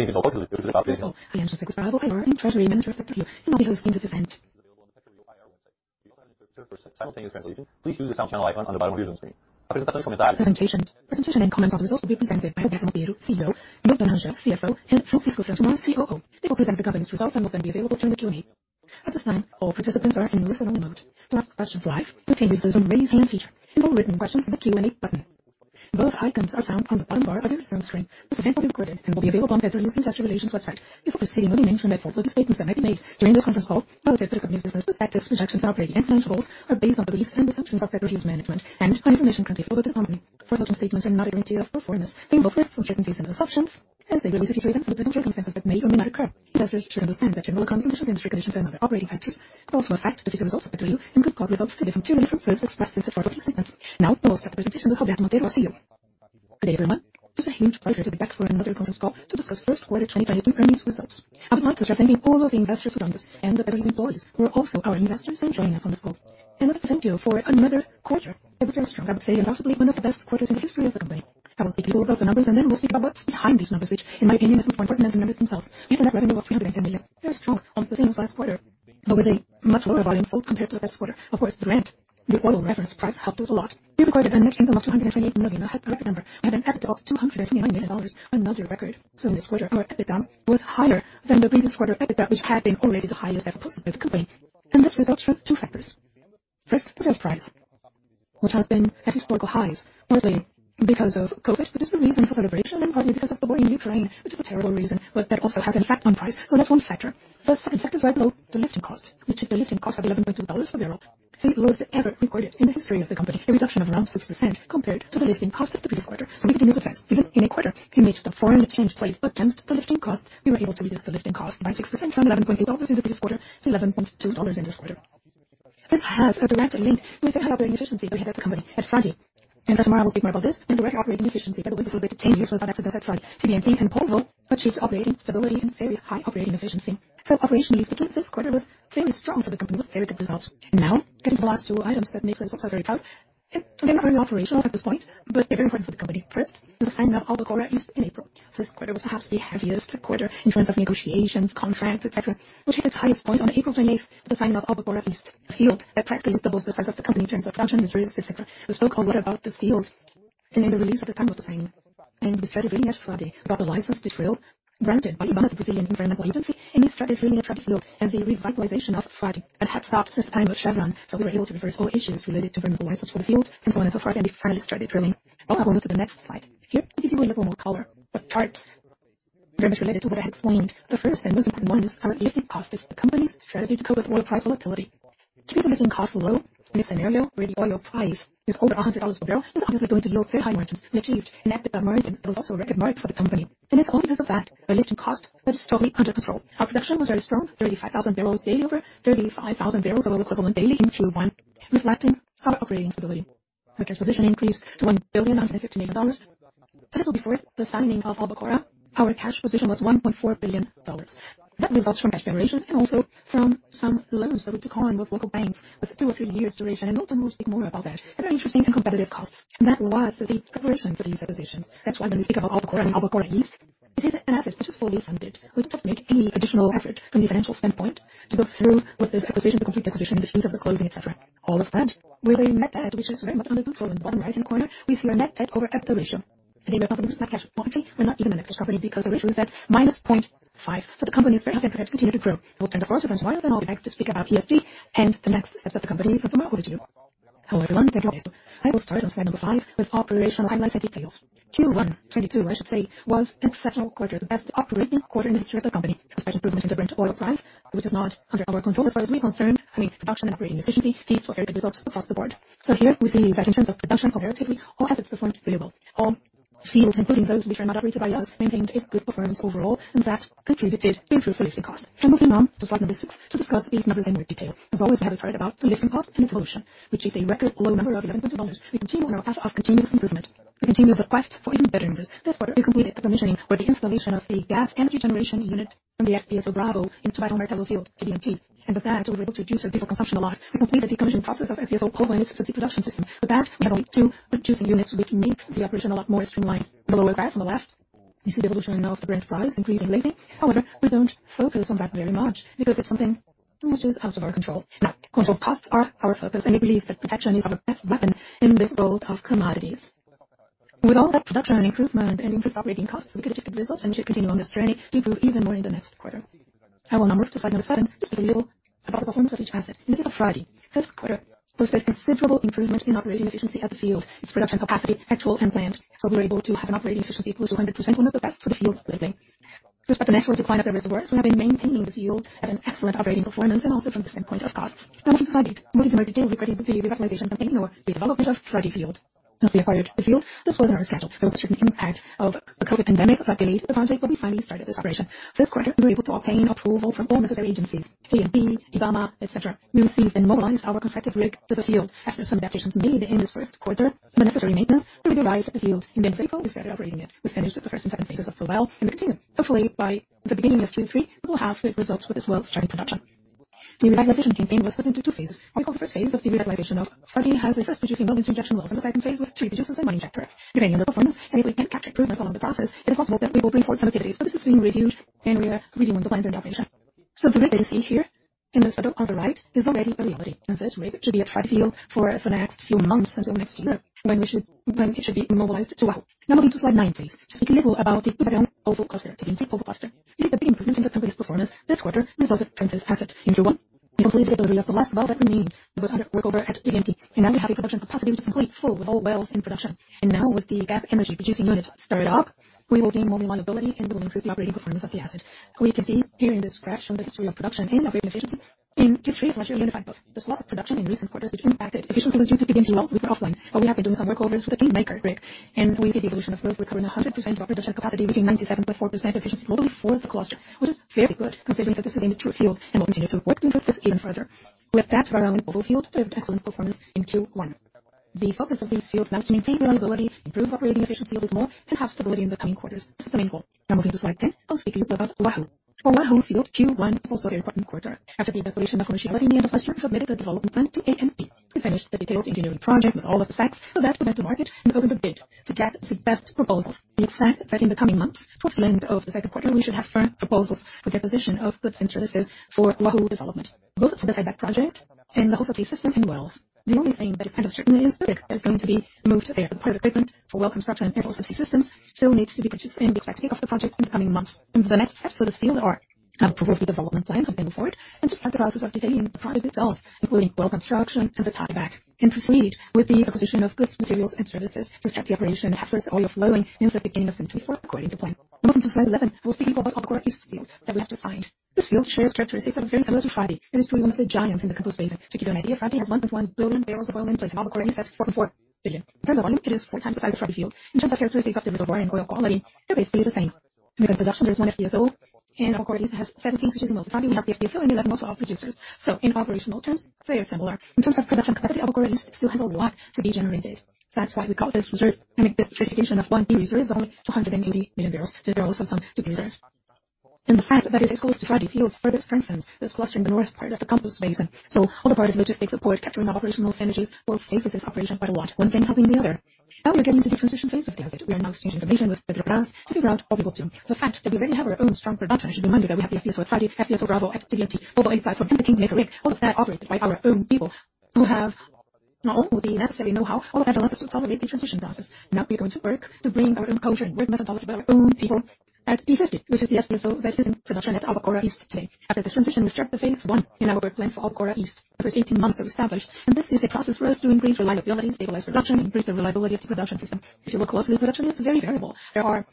Presentation and comments on results will be presented by Roberto Monteiro, CEO, Milton Rangel, CFO, and Francilmar Fernandes, COO. They will present the governance results and will then be available during the Q&A. At this time, all participants are in listen only mode. To ask questions live, you can use the Raise Hand feature and all written questions in the Q&A button. Both icons are found on the bottom bar of your Zoom screen. This event will be recorded and will be available on Prio's Investor Relations website. Before proceeding, let me mention that forward-looking statements that may be made during this conference call related to the company's business prospects, projections, and operating and financial goals are based on the beliefs and assumptions of Prio's management and on information currently available to the company. Forward-looking statements are not a guarantee of performance. They involve risks, uncertainties, and assumptions as they relate to future events or future circumstances that may or may not occur. Investors should understand that general economic conditions, industry conditions, and other operating factors can also affect the future results of PetroRio and could cause results to differ materially from those expressed in such forward-looking statements. Now I will start the presentation with Roberto Monteiro, our CEO. Good day, everyone. It is a huge pleasure to be back for another conference call to discuss Q1 2023 earnings results. I would like to start thanking all of the investors who joined us and the PetroRio employees who are also our investors and joining us on this call. I want to thank you for another quarter that was very strong. I would say undoubtedly one of the best quarters in the history of the company. I will speak to you about the numbers, and then we'll speak about what's behind these numbers, which in my opinion, is more important than the numbers themselves. We had a revenue of $310 million. Very strong, almost the same as last quarter, but with a much lower volume sold compared to the last quarter. Of course, the Brent, the oil reference price helped us a lot. We recorded a net income of $228 million, a high record number, and an EBITDA of $289 million, another record. In this quarter, our EBITDA was higher than the previous quarter EBITDA, which had been already the highest ever posted by the company. This results from two factors. First, the sales price, which has been at historical highs, partly because of COVID, which is the reason for the variation, and partly because of the war in Ukraine, which is a terrible reason, but that also has an effect on price. That's one factor. The second factor is right below the lifting cost, which is the lifting cost of $11.2 per barrel, the lowest ever recorded in the history of the company, a reduction of around 6% compared to the lifting cost of the previous quarter. We continue the trend even in a quarter in which the foreign exchange played against the lifting cost. We were able to reduce the lifting cost by 6% from $11.8 in the previous quarter to $11.2 in this quarter. This has a direct link with the high operating efficiency we have at the company at Frade, and Francilmar Fernandes will speak more about this and direct operating efficiency. PetroRio was a little bit tenuous without access to Frade, TBMT, and Polvo achieved operating stability and very high operating efficiency. Operationally speaking, this quarter was fairly strong for the company with very good results. Now getting to the last two items that makes us also very proud. It may not be operational at this point, but very important for the company. First is the signing of Albacora Leste in April. Q1 was perhaps the heaviest quarter in terms of negotiations, contracts, etcetera, which hit its highest point on April 28th, the signing of Albacora Leste field. That practically doubles the size of the company in terms of production, reserves, etcetera. We spoke a lot about this field in the release at the time of the signing and we started drilling at Frade. We got the license, the drill granted by IBAMA, the Brazilian environmental agency, and we started drilling at Frade field and the revitalization of Frade that had stopped since the time of Chevron. We were able to reverse all issues related to environmental license for the field and so on and so forth, and we finally started drilling. I'll now go to the next slide. Here to give you a little more color with charts very much related to what I had explained. The first and most important one is our lifting cost, is the company's strategy to cope with oil price volatility. To keep the lifting cost low in a scenario where the oil price is over $100 per barrel is obviously going to yield very high margins, which is huge. An EBITDA margin that was also a record margin for the company. It's all because of that, the lifting cost that is totally under control. Our production was very strong, 35,000 barrels daily, over 35,000 barrels of oil equivalent daily in Q1, reflecting our operating stability. Our cash position increased to $1.95 billion. A little before the signing of Albacora, our cash position was $1.4 billion. That results from cash generation and also from some loans that we took on with local banks with 2 or 3 years duration. Milton will speak more about that at very interesting and competitive costs. That was the preparation for these acquisitions. That's why when we speak about Albacora and Albacora Leste, this is an asset which is fully funded. We don't have to make any additional effort from the financial standpoint to go through with this acquisition, to complete the acquisition in the speed of the closing, etcetera. All of that with a net debt, which is very much under control. In the bottom right-hand corner, we see our net debt over EBITDA ratio, and we are not a net cash company. We're not even a net cash company because the ratio is at -0.5. The company is very well prepared to continue to grow. I will turn to Francisco, and then I'll be back to speak about ESG and the next steps that the company will take. Francisco, over to you. Hello, everyone. Thank you, Roberto. I will start on slide number 5 with operational timelines and details. Q1 2022, I should say, was exceptional quarter, the best operating quarter in the history of the company, especially improvement in the Brent oil price, which is not under our control. As far as we're concerned, I mean, production and operating efficiency leads to very good results across the board. Here we see that in terms of production comparatively, all assets performed very well. All fields, including those which are not operated by us, maintained a good performance overall and that contributed to improve the lifting cost. Moving on to slide number 6 to discuss these numbers in more detail. As always, we have a chart about the lifting cost and its evolution, which hit a record low number of $11.2. We continue on our path of continuous improvement. We continue the quest for even better numbers. This quarter, we completed the commissioning or the installation of a gas energy generation unit from the FPSO Bravo into Tubarão Martelo field, TBMT, and with that, we were able to reduce our diesel consumption a lot. We completed the decommissioning process of FPSO Polvo and its deep production system. With that, we have only two producing units, which make the operation a lot more streamlined. The lower graph on the left, you see the evolution now of the Brent price increasing lately. However, we don't focus on that very much because it's something which is out of our control. Now, controlled costs are our focus, and we believe that protection is our best weapon in this world of commodities. With all that production and improvement and improved operating costs, we could achieve good results and should continue on this journey to improve even more in the next quarter. I will now move to slide number 7, just a little about the performance of each asset. Let's start with Frade. This quarter, we saw a considerable improvement in operating efficiency at the field, its production capacity, actual and planned. We were able to have an operating efficiency close to 100%, one of the best for the field lately. Despite the natural decline of the reservoirs, we have been maintaining the field at an excellent operating performance and also from the standpoint of costs. Now moving to Albacora. Moving in more detail regarding the field revitalization and then the development of Frade field. Since we acquired the field, this was in our schedule. There was a certain impact of the COVID pandemic that delayed the project, but we finally started this operation. This quarter, we were able to obtain approval from all necessary agencies, ANP, IBAMA, etcetera. We will then mobilize our contracted rig to the field after some adaptations needed in this Q1, the necessary maintenance. We arrived at the field in mid-April. We started operating it. We finished the first and second phases of well, and we continue. Hopefully by the beginning of Q3, we will have the results with this well starting production. The revitalization campaign was split into two phases. We call the first phase the revitalization of Frade as we're first producing well injection well, and the second phase with three producers and one injector. Depending on the performance, and if we can capture improvements along the process, it is possible that we will bring forth other phases. This is being reviewed, and we are reviewing the plans in operation. The rig that you see here in this photo on the right is already a reality, and this rig should be at Frade field for the next few months until next year, when it should be mobilized to Wahoo. Now moving to slide nine, please. Just a little about the Polvo cluster, TBMT Polvo cluster. It had a big improvement in the company's performance. This quarter's results from this asset in Q1. We completed the delivery of the last valve that remained. It was under workover at TBMT, and now we have a production capacity which is completely full with all wells in production. Now with the gas energy producing unit started up, we will gain more reliability and we will increase the operating performance of the asset. We can see here in this graph showing the history of production and operating efficiency in Q3 is actually unified, but there's lots of production in recent quarters which impacted efficiency, was due to TBMT well, which was offline. We have been doing some workovers with the Maersk rig, and we see the evolution of both recovering 100% production capacity reaching 97.4% efficiency globally for the cluster, which is very good considering that this is a mature field and we'll continue to work to improve this even further. With the Polvo field, they have excellent performance in Q1. The focus of these fields now is to maintain reliability, improve operating efficiency a little more, and have stability in the coming quarters. This is the main goal. Now moving to slide 10. I will speak to you about Wahoo. For Wahoo field Q1 is also an important quarter. After the evaluation of commerciality in the end of last year, we submitted the development plan to ANP. We finished the detailed engineering project with all of the specs. That's to go to market and open the bid to get the best proposals. We expect that in the coming months, towards the end of the second quarter, we should have firm proposals for the acquisition of goods and services for Wahoo development, both for the tieback project and the host AT system and wells. The only thing that is kind of certain is the rig that is going to be moved there. The part of equipment for well construction and host AT systems still needs to be purchased, and we expect kickoff the project in the coming months. The next steps for this field are approve the development plan submitted for it, and to start the process of getting the project itself, including well construction and the tieback, and proceed with the acquisition of goods, materials, and services to start the operation and have first oil flowing in the beginning of 2024 according to plan. Moving to slide 11, I will speak about Albacora Leste field that we have acquired. This field shares characteristics that are very similar to Frade. It is truly one of the giants in the Campos Basin. To give you an idea, Frade has 1.1 billion barrels of oil in place, and Albacora Leste has 4.4 billion. In terms of volume, it is four times the size of Frade field. In terms of characteristics of the reservoir and oil quality, they're basically the same. Because production, there is one FPSO and Albacora Leste has 17 producers in wells. Frade, we have FPSO and we have multiple producers. So in operational terms, very similar. In terms of production capacity, Albacora Leste still has a lot to be generated. That's why we call this reserve, I mean, this certification of 1B reserve is only 280 million barrels. There are also some deep reserves. The fact that it is close to Frade field further strengthens this cluster in the north part of the Campos Basin. All the part of logistics support, capturing operational synergies will facilitate operation quite a lot, one hand helping the other. We are now getting to the transition phase of the asset. We are now exchanging information with Petrobras to figure out how to go to. The fact that we already have our own strong production should be reminded that we have the FPSO at Frade, FPSO Bravo at TBMT, Polvo, and the NORBE VI rig, all of that operated by our own people who have not only the necessary know-how. All of that allows us to facilitate the transition process. We are going to work to bring our own culture and work methodology by our own people at P-50, which is the FPSO that is in production at Albacora Leste today. After this transition, we start the phase 1 in our work plan for Albacora Leste. The first 18 months are established, and this is a process for us to increase reliability, stabilize production, increase the reliability of the production system. If you look closely, the production is very variable. There are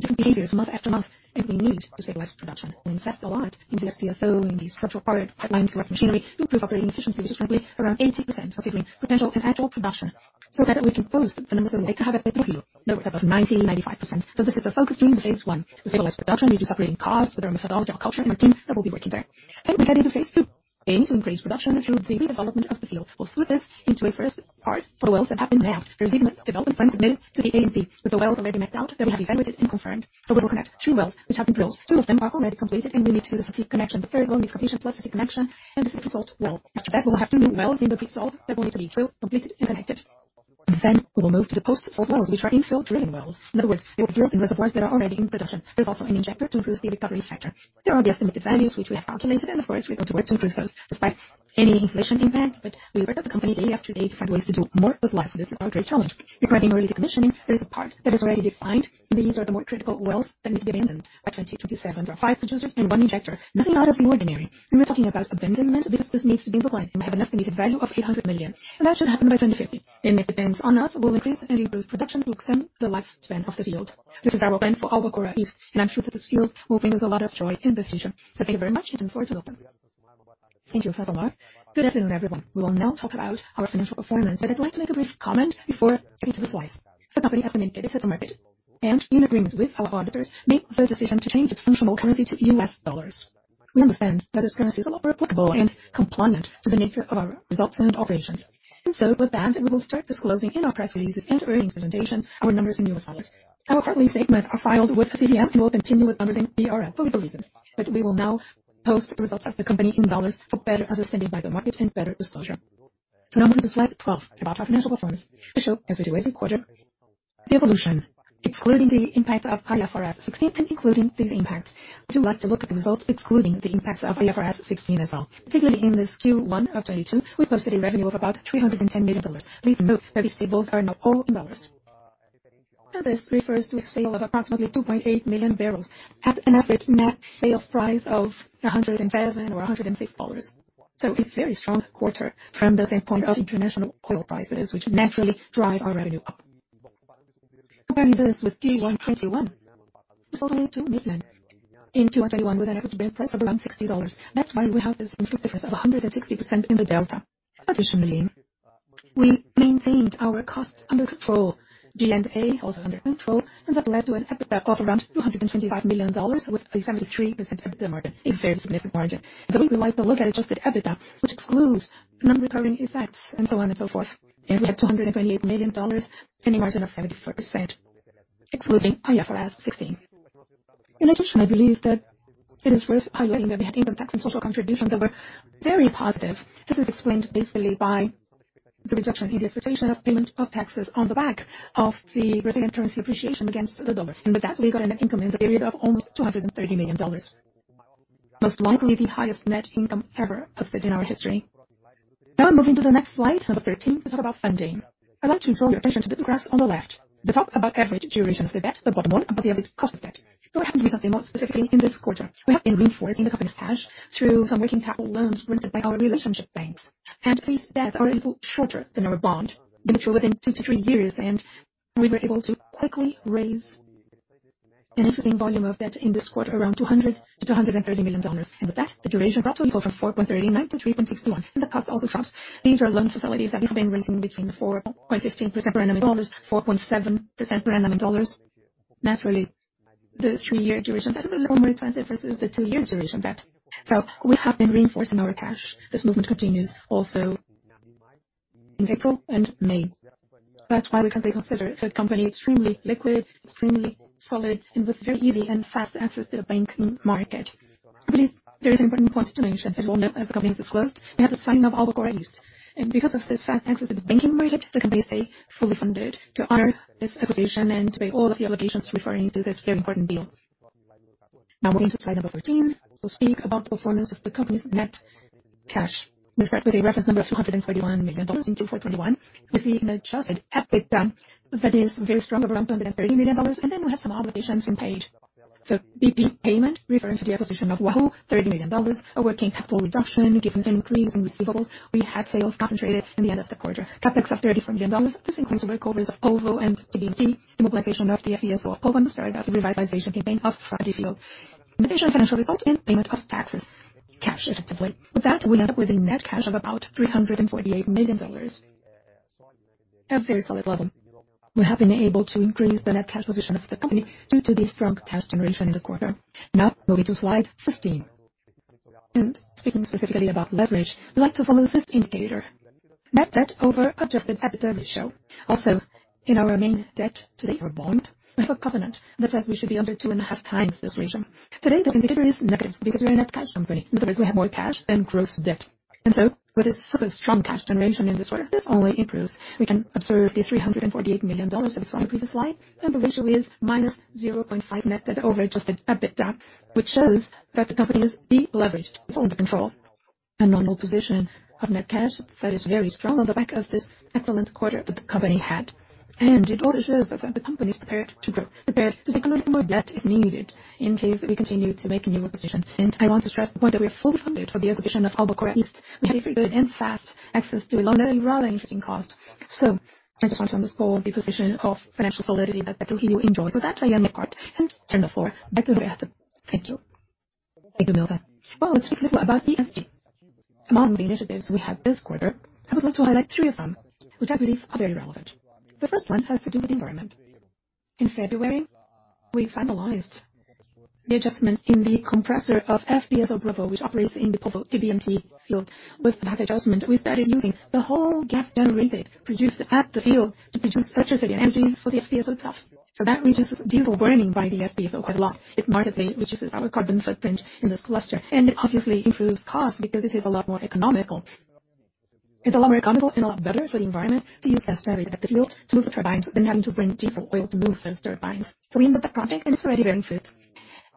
different behaviors month after month, and we need to stabilize production and invest a lot in the FPSO, in these structural production pipelines, correct machinery, improve operating efficiency, which is frankly around 80% of the given potential and actual production, so that we can boost the numbers that we make to have a better view. In other words, about 90%-95%. This is the focus during the phase one. To stabilize production, reduce operating costs with our methodology, our culture, and our team that will be working there. We head into phase two, aiming to increase production through the redevelopment of the field. We'll split this into a first part for the wells that have been mapped. We're seeing the development plans submitted to the ANP with the wells already mapped out that we have evaluated and confirmed. We will connect three wells which have been drilled. Two of them are already completed and we need to do the static connection. The third well needs completion plus the connection, and this is the pre-salt well. After that, we will have two new wells that will need to be drilled, completed, and connected. We will move to the post-salt wells, which are infill drilling wells. In other words, we will drill in reservoirs that are already in production. There's also an injector to improve the recovery factor. Here are the estimated values which we have calculated, and of course, we're going to work to improve those despite any inflation impact. We work at the company daily up to date to find ways to do more with less. This is our great challenge. Regarding early decommissioning, there is a part that is already defined, and these are the more critical wells that need to be abandoned by 2027. There are five producers and one injector. Nothing out of the ordinary. When we're talking about abandonment, this just needs to be compliant and we have an estimated value of 800 million, and that should happen by 2050. It depends on us. We'll increase and improve production to extend the lifespan of the field. This is our plan for Albacora Leste, and I'm sure that this field will bring us a lot of joy and appreciation. Thank you very much. Looking forward to welcome. Thank you, Francilmar Fernandes. Good afternoon, everyone. We will now talk about our financial performance, but I'd like to make a brief comment before getting to the slides. The company has communicated to the market, and in agreement with our auditors, made the decision to change its functional currency to US dollars. We understand that this currency is a lot more applicable and compliant to the nature of our results and operations. With that, we will start disclosing in our press releases and earnings presentations our numbers in US dollars. Our quarterly statements are filed with CVM and will continue with numbers in BRL for legal reasons. We will now post the results of the company in dollars for better understanding by the market and better disclosure. Now moving to slide 12, about our financial performance. I show as we do every quarter the evolution, excluding the impact of IFRS 16 and including these impacts. We do like to look at the results excluding the impacts of IFRS 16 as well. Particularly in this Q1 of 2022, we posted a revenue of about $310 million. Please note that these tables are now all in dollars. Now, this refers to a sale of approximately 2.8 million barrels at an average net sales price of $106. A very strong quarter from the standpoint of international oil prices, which naturally drive our revenue up. Comparing this with Q1 2021, we sold only 2 million in Q1 2021 with an average sale price of around $60. That's why we have this competitiveness of 160% in the delta. Additionally, we maintained our costs under control, G&A also under control. That led to an EBITDA of around $225 million with a 73% EBITDA margin, a very significant margin. As always, we like to look at adjusted EBITDA, which excludes non-recurring effects and so on and so forth. We had $228 million and a margin of 74%. Excluding IFRS 16. In addition, I believe that it is worth highlighting that we had income tax and social contributions that were very positive. This is explained basically by the reduction in the expectation of payment of taxes on the back of the Brazilian currency appreciation against the dollar, and with that we got an income in the period of almost $230 million. Most likely the highest net income ever posted in our history. Now moving to the next slide, number 13, to talk about funding. I'd like to draw your attention to the graphs on the left. The top about average duration of the debt, the bottom one about the average cost of debt. What happened is something more specifically in this quarter. We have been reinforcing the company's cash through some working capital loans arranged by our relationship banks. These debts are a little shorter than our bond. They mature within 2-3 years, and we were able to quickly raise an interesting volume of debt in this quarter, around $200 million-$230 million. With that, the duration dropped to default from 4.39 to 3.61. In the past, also drops. These are loan facilities that we have been raising between 4.15% per annum in dollars, 4.7% per annum in dollars. Naturally, the 3-year duration. This is a little more expensive versus the 2-year duration debt. We have been reinforcing our cash. This movement continues also in April and May. That's why we can say, consider the company extremely liquid, extremely solid, and with very easy and fast access to the banking market. I believe there is an important point to mention. As you all know, as the company has disclosed, we have the signing of Albacora Leste. Because of this fast access to the banking market, the company is fully funded to honor this acquisition and to pay all of the obligations referring to this very important deal. Now moving to slide number 13. We'll speak about the performance of the company's net cash. We start with a reference number of $231 million in 2021. You see in the chart an EBITDA that is very strong, around $230 million, and then we have some obligations unpaid. P&A payment referring to the acquisition of Wahoo, $30 million. A working capital reduction given the increase in receivables. We had sales concentrated in the end of the quarter. CapEx of $34 million. This includes recoveries of Polvo and TBMT, the mobilization of FPSO Polvo and the start of the revitalization campaign of Frade field. Additional financial results and payment of taxes, cash effectively. With that, we end up with a net cash of about $348 million. A very solid level. We have been able to increase the net cash position of the company due to the strong cash generation in the quarter. Now moving to slide 15. Speaking specifically about leverage, we like to follow this indicator. Net debt over adjusted EBITDA we show. Also in our main debt today or bond, we have a covenant that says we should be under 2.5 times this ratio. Today, this indicator is negative because we're a net cash company. In other words, we have more cash than gross debt. With this super strong cash generation in this quarter, this only improves. We can observe the $348 million that we saw in the previous slide, and the ratio is -0.5 net debt over adjusted EBITDA, which shows that the company is deleveraged. It's under control. A normal position of net cash that is very strong on the back of this excellent quarter that the company had. It also shows us that the company is prepared to grow, prepared to take a little bit more debt if needed in case we continue to make new acquisitions. I want to stress the point that we are fully funded for the acquisition of Albacora Leste. We have a very good and fast access to a loan at a rather interesting cost. I just want to underscore the position of financial solidity that PetroRio enjoys. With that, I'm happy to turn the floor back to Roberto. Thank you. Thank you, Milton. Well, let's speak a little about ESG. Among the initiatives we have this quarter, I would like to highlight three of them, which I believe are very relevant. The first one has to do with the environment. In February, we finalized the adjustment in the compressor of FPSO Bravo, which operates in the Polvo TBMT field. With that adjustment, we started using the whole gas produced at the field to produce electricity and energy for the FPSO itself. That reduces diesel burning by the FPSO quite a lot. It markedly reduces our carbon footprint in this cluster, and it obviously improves cost because it is a lot more economical. It's a lot more economical and a lot better for the environment to use gas generated at the field to move the turbines than having to bring diesel oil to move those turbines. We made that project, and it's already bearing fruit.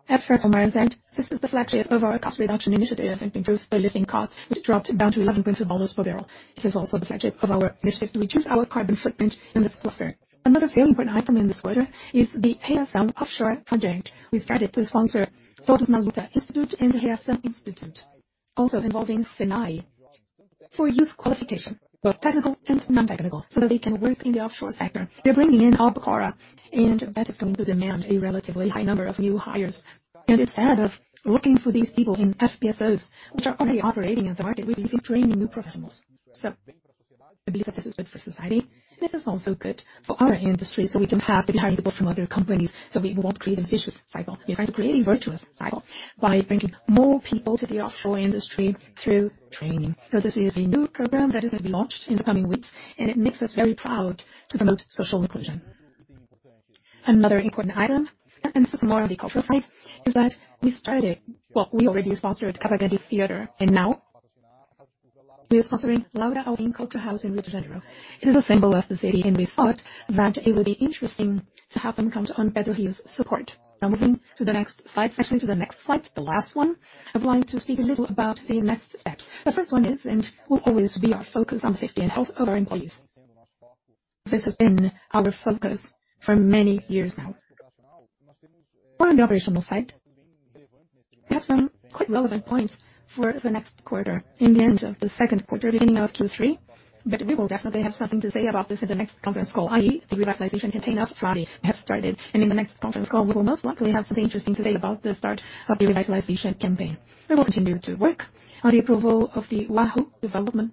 At first, on Francilmar's end, this is the flagship of our cost reduction initiative and improves the lifting cost, which dropped down to $11.2 per barrel. This is also the flagship of our initiative to reduce our carbon footprint in this cluster. Another very important item in this quarter is the ASEM Offshore Project. We started to sponsor Todos na Luta Institute and the ASEM Institute, also involving SENAI, for youth qualification, both technical and non-technical, so that they can work in the offshore sector. We're bringing in Albacora, and that is going to demand a relatively high number of new hires. Instead of looking for these people in FPSOs, which are already operating in the market, we believe in training new professionals. I believe that this is good for society. This is also good for our industry, so we don't have to be hiring people from other companies, so we won't create a vicious cycle. We're trying to create a virtuous cycle by bringing more people to the offshore industry through training. This is a new program that is going to be launched in the coming weeks, and it makes us very proud to promote social inclusion. Another important item, and this is more on the cultural side, is that we already sponsored Teatro Cavalcanti, and now we are sponsoring Laura Alvim Culture House in Rio de Janeiro. It is a symbol of the city, and we thought that it would be interesting to have them count on PetroRio's support. Now moving to the next slide. Actually to the next slide, the last one. I would like to speak a little about the next steps. The first one is, and will always be our focus on safety and health of our employees. This has been our focus for many years now. On the operational side, we have some quite relevant points for the next quarter. In the end of the second quarter, beginning of Q3, PetroRio will definitely have something to say about this in the next conference call, i.e., the revitalization campaign of Frade has started, and in the next conference call, we will most likely have something interesting to say about the start of the revitalization campaign. We will continue to work on the approval of the Wahoo development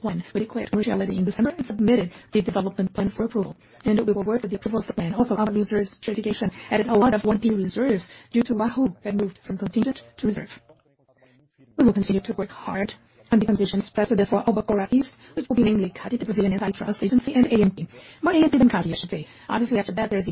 plan we declared commercially in December and submitted the development plan for approval. We will work with the approval plan. Also, our reserves certification added a lot of 1P reserves due to Wahoo that moved from contingent to reserve. We will continue to work hard on the conditions precedent for Albacora Leste, which will be mainly CADE, the Brazilian Antitrust Agency, and ANP. More ANP than CADE, I should say. Obviously after that there is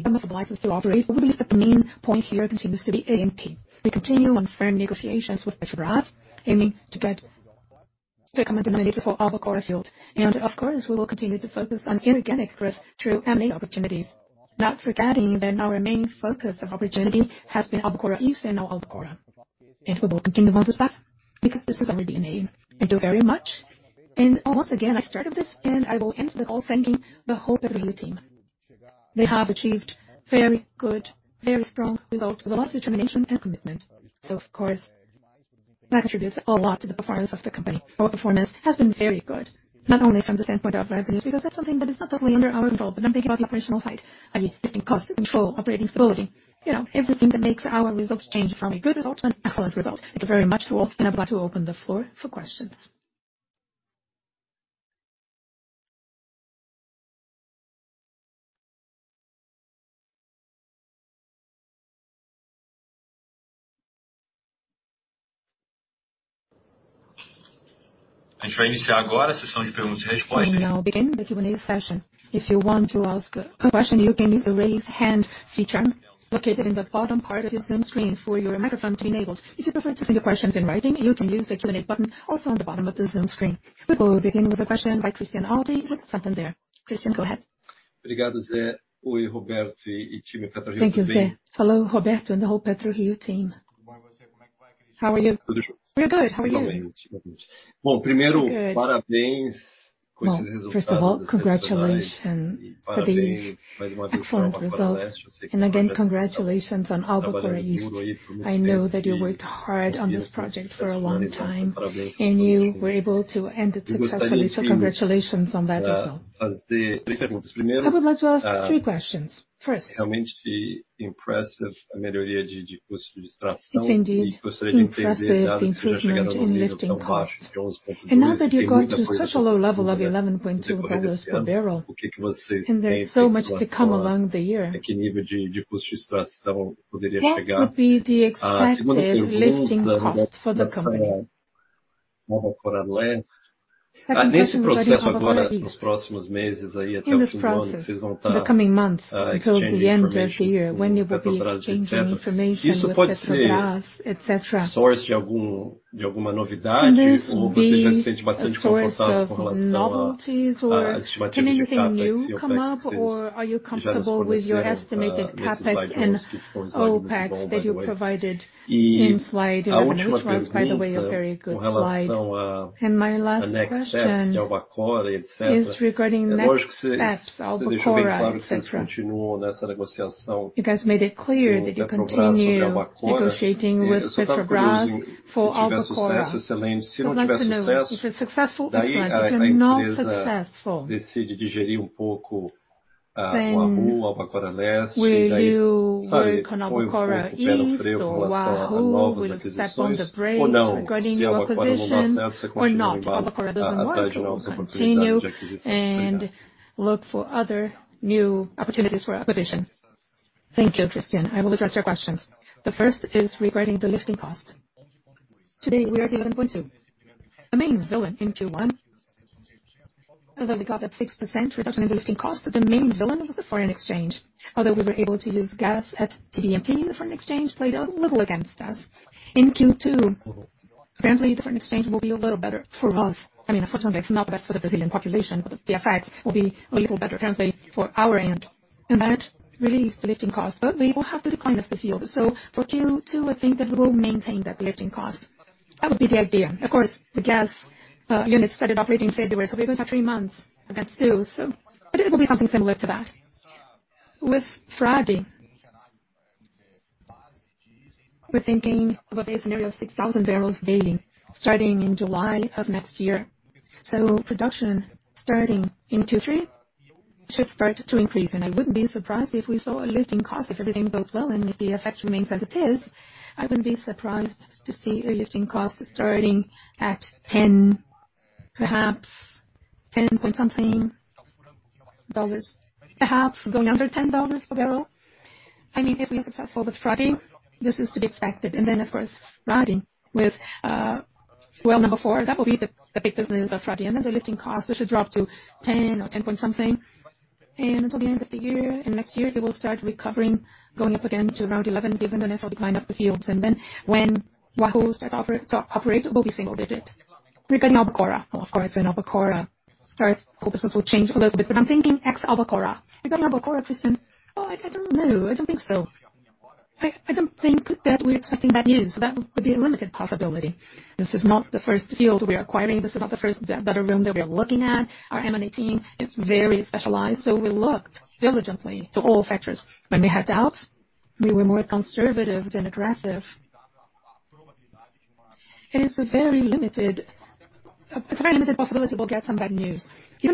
a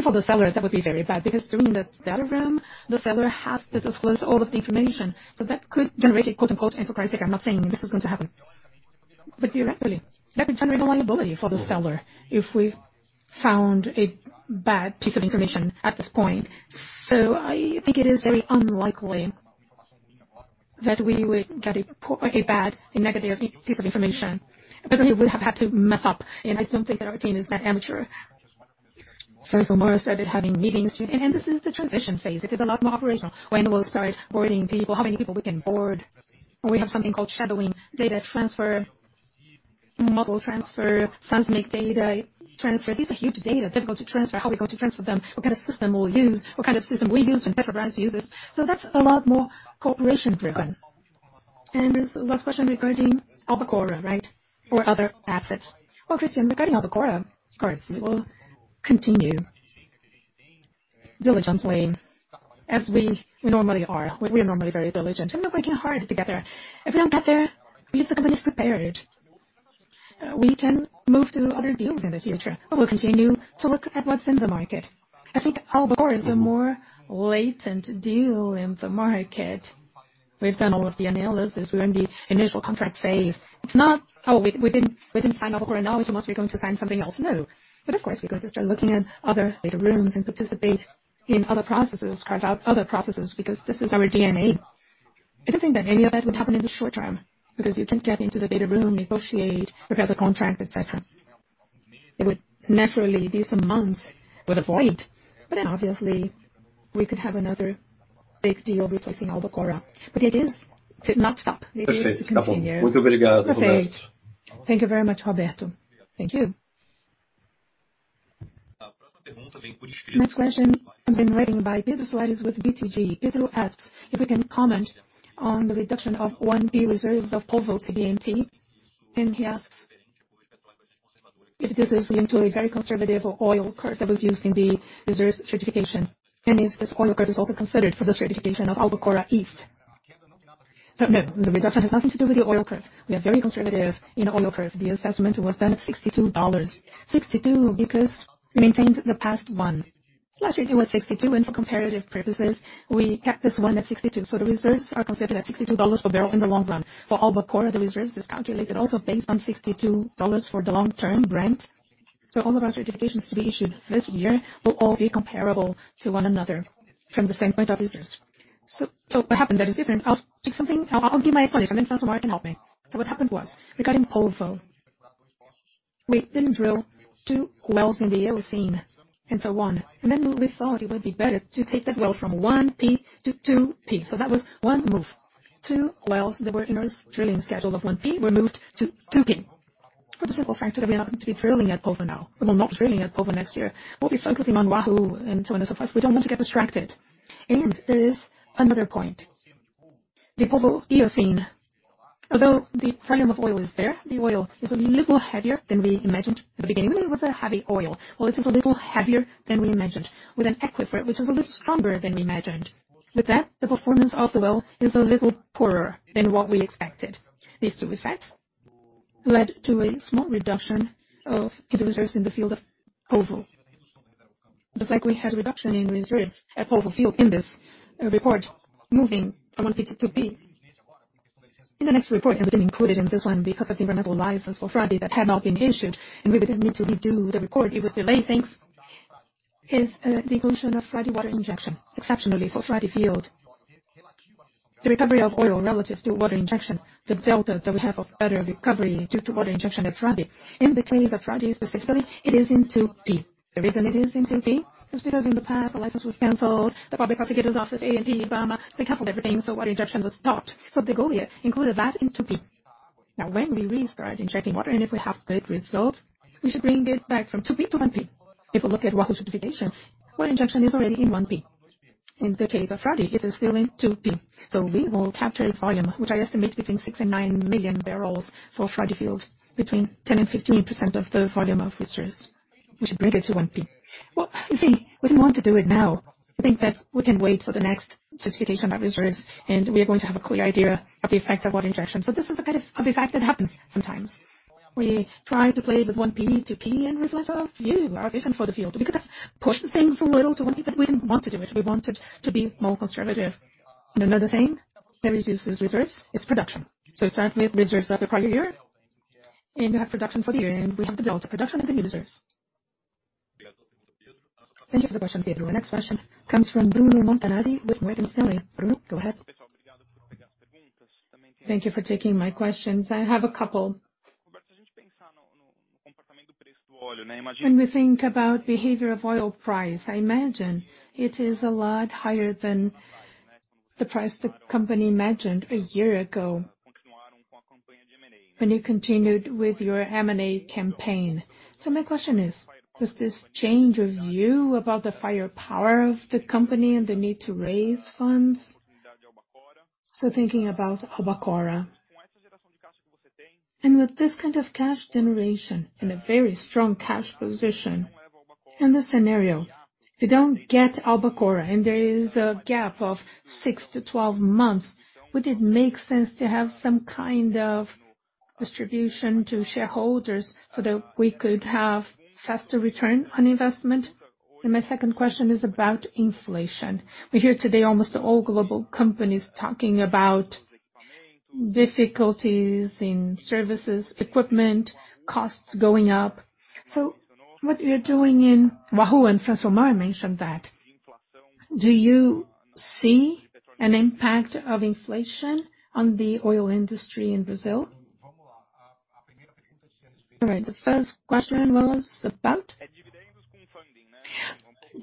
bad, a negative piece of information. Because we would have had to mess up, and I don't think that our team is that amateur. Francilmar Fernandes started having meetings to. This is the transition phase. It is a lot more operational. When we'll start boarding people, how many people we can board? We have something called shadowing data transfer, model transfer, seismic data transfer. These are huge data, difficult to transfer. How we're going to transfer them? What kind of system we'll use? What kind of system we use and Petrobras uses. That's a lot more cooperation driven. This last question regarding Albacora, right? Or other assets. Well, Christian, regarding Albacora, of course, we will continue diligent way as we normally are. We're normally very diligent, and we're working hard to get there. If we don't get there, at least the company is prepared. We can move to other deals in the future. We'll continue to look at what's in the market. I think Albacora is a more latent deal in the market. We've done all of the analysis. We're in the initial contract phase. It's not, "Oh, we didn't sign Albacora now, so we must be going to sign something else." No. Of course, we're going to start looking at other data rooms and participate in other processes, carve out other processes, because this is our DNA. I don't think that any of that would happen in the short term, because you can get into the data room, negotiate, prepare the contract, et cetera. It would naturally be some months with a void, but then obviously we could have another big deal replacing Albacora. It is. It's not stopped. Perfect. Thank you very much, Roberto. Thank you. Next question comes in writing by Pedro Soares with BTG. Pedro asks if we can comment on the reduction of 1P reserves of Polvo to TBMT. He asks if this is linked to a very conservative oil curve that was used in the reserves certification. Is this oil curve also considered for the certification of Albacora Leste. No, the reduction has nothing to do with the oil curve. We are very conservative in oil curve. The assessment was done at $62. 62 because it maintains the past one. Last year it was 62, and for comparative purposes, we kept this one at 62. The reserves are considered at $62 per barrel in the long run. For Albacora Leste, the reserves is calculated also based on $62 for the long-term Brent. All of our certifications to be issued this year will all be comparable to one another from the standpoint of reserves. What happened that is different? I'll give my explanation, and Francilmar Fernandes can help me. What happened was, regarding Polvo, we didn't drill two wells in the Eocene and so on. Then we thought it would be better to take that well from 1P to 2P. That was one move. Two wells that were in our drilling schedule of 1P were moved to 2P. For the simple fact that we are not going to be drilling at Polvo now. We're not drilling at Polvo next year. We'll be focusing on Wahoo and so on. First, we don't want to get distracted. There is another point. The Polvo Eocene, although the volume of oil is there, the oil is a little heavier than we imagined at the beginning. It was a heavy oil. Well, it is a little heavier than we imagined, with an aquifer which is a little stronger than we imagined. With that, the performance of the well is a little poorer than what we expected. These two effects led to a small reduction of the reserves in the Polvo field. Just like we had a reduction in reserves at Polvo field in this report, moving from 1P to 2P. In the next report, it wasn't included in this one because of the environmental license for Frade that had not been issued, and we would then need to redo the report. It would delay things. Is the inclusion of Frade water injection, exceptionally for Frade field. The recovery of oil relative to water injection, the delta that we have of better recovery due to water injection at Frade. In the case of Frade specifically, it is in 2P. The reason it is in 2P is because in the past, the license was canceled. The public prosecutor's office, ANP, IBAMA, they canceled everything, so water injection was stopped. DeGolyer included that in 2P. Now, when we restart injecting water, and if we have good results, we should bring it back from 2P to 1P. If we look at Wahoo certification, water injection is already in 1P. In the case of Frade, it is still in 2P. We will capture volume, which I estimate between 6-9 million barrels for Frade field, between 10%-15% of the volume of reserves. We should bring it to one P. Well, you see, we didn't want to do it now. We think that we can wait for the next certification of reserves, and we are going to have a clear idea of the effect of water injection. This is the kind of artifact that happens sometimes. We try to play with one P, two P and reflect our view, our vision for the field. We could have pushed things a little to one P, but we didn't want to do it. We wanted to be more conservative. Another thing that reduces reserves is production. Certainly reserves at the Prio year, and we have production for the year, and we have the delta production and the new reserves. Thank you for the question, Pedro. Our next question comes from Bruno Montanari with Morgan Stanley. Bruno, go ahead. Thank you for taking my questions. I have a couple. When we think about behavior of oil price, I imagine it is a lot higher than the price the company imagined a year ago when you continued with your M&A campaign. My question is, does this change your view about the firepower of the company and the need to raise funds? Thinking about Albacora Leste. With this kind of cash generation and a very strong cash position, in this scenario, if you don't get Albacora Leste and there is a gap of 6-12 months, would it make sense to have some kind of distribution to shareholders so that we could have faster return on investment? My second question is about inflation. We hear today almost all global companies talking about difficulties in services, equipment, costs going up. What you're doing in Wahoo, and Francilmar Fernandes mentioned that, do you see an impact of inflation on the oil industry in Brazil? All right, the first question was about?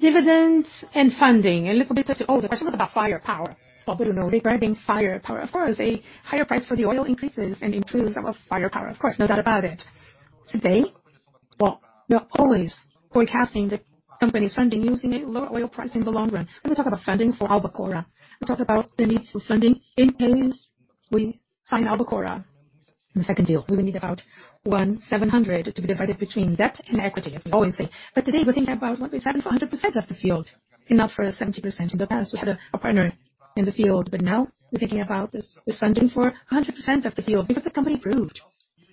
Dividends and funding. Oh, the question was about firepower. Oh, we don't know. Regarding firepower, of course, a higher price for the oil increases and improves our firepower. Of course, no doubt about it. Today, well, we are always forecasting the company's funding using a low oil price in the long run. When we talk about funding for Albacora, we talk about the need for funding in case we sign Albacora in the second deal. We will need about $1.7 billion to be divided between debt and equity, as we always say. Today, we're thinking about 100% of the field and not 70%. In the past, we had a partner in the field, but now we're thinking about this funding for 100% of the field because the company approved.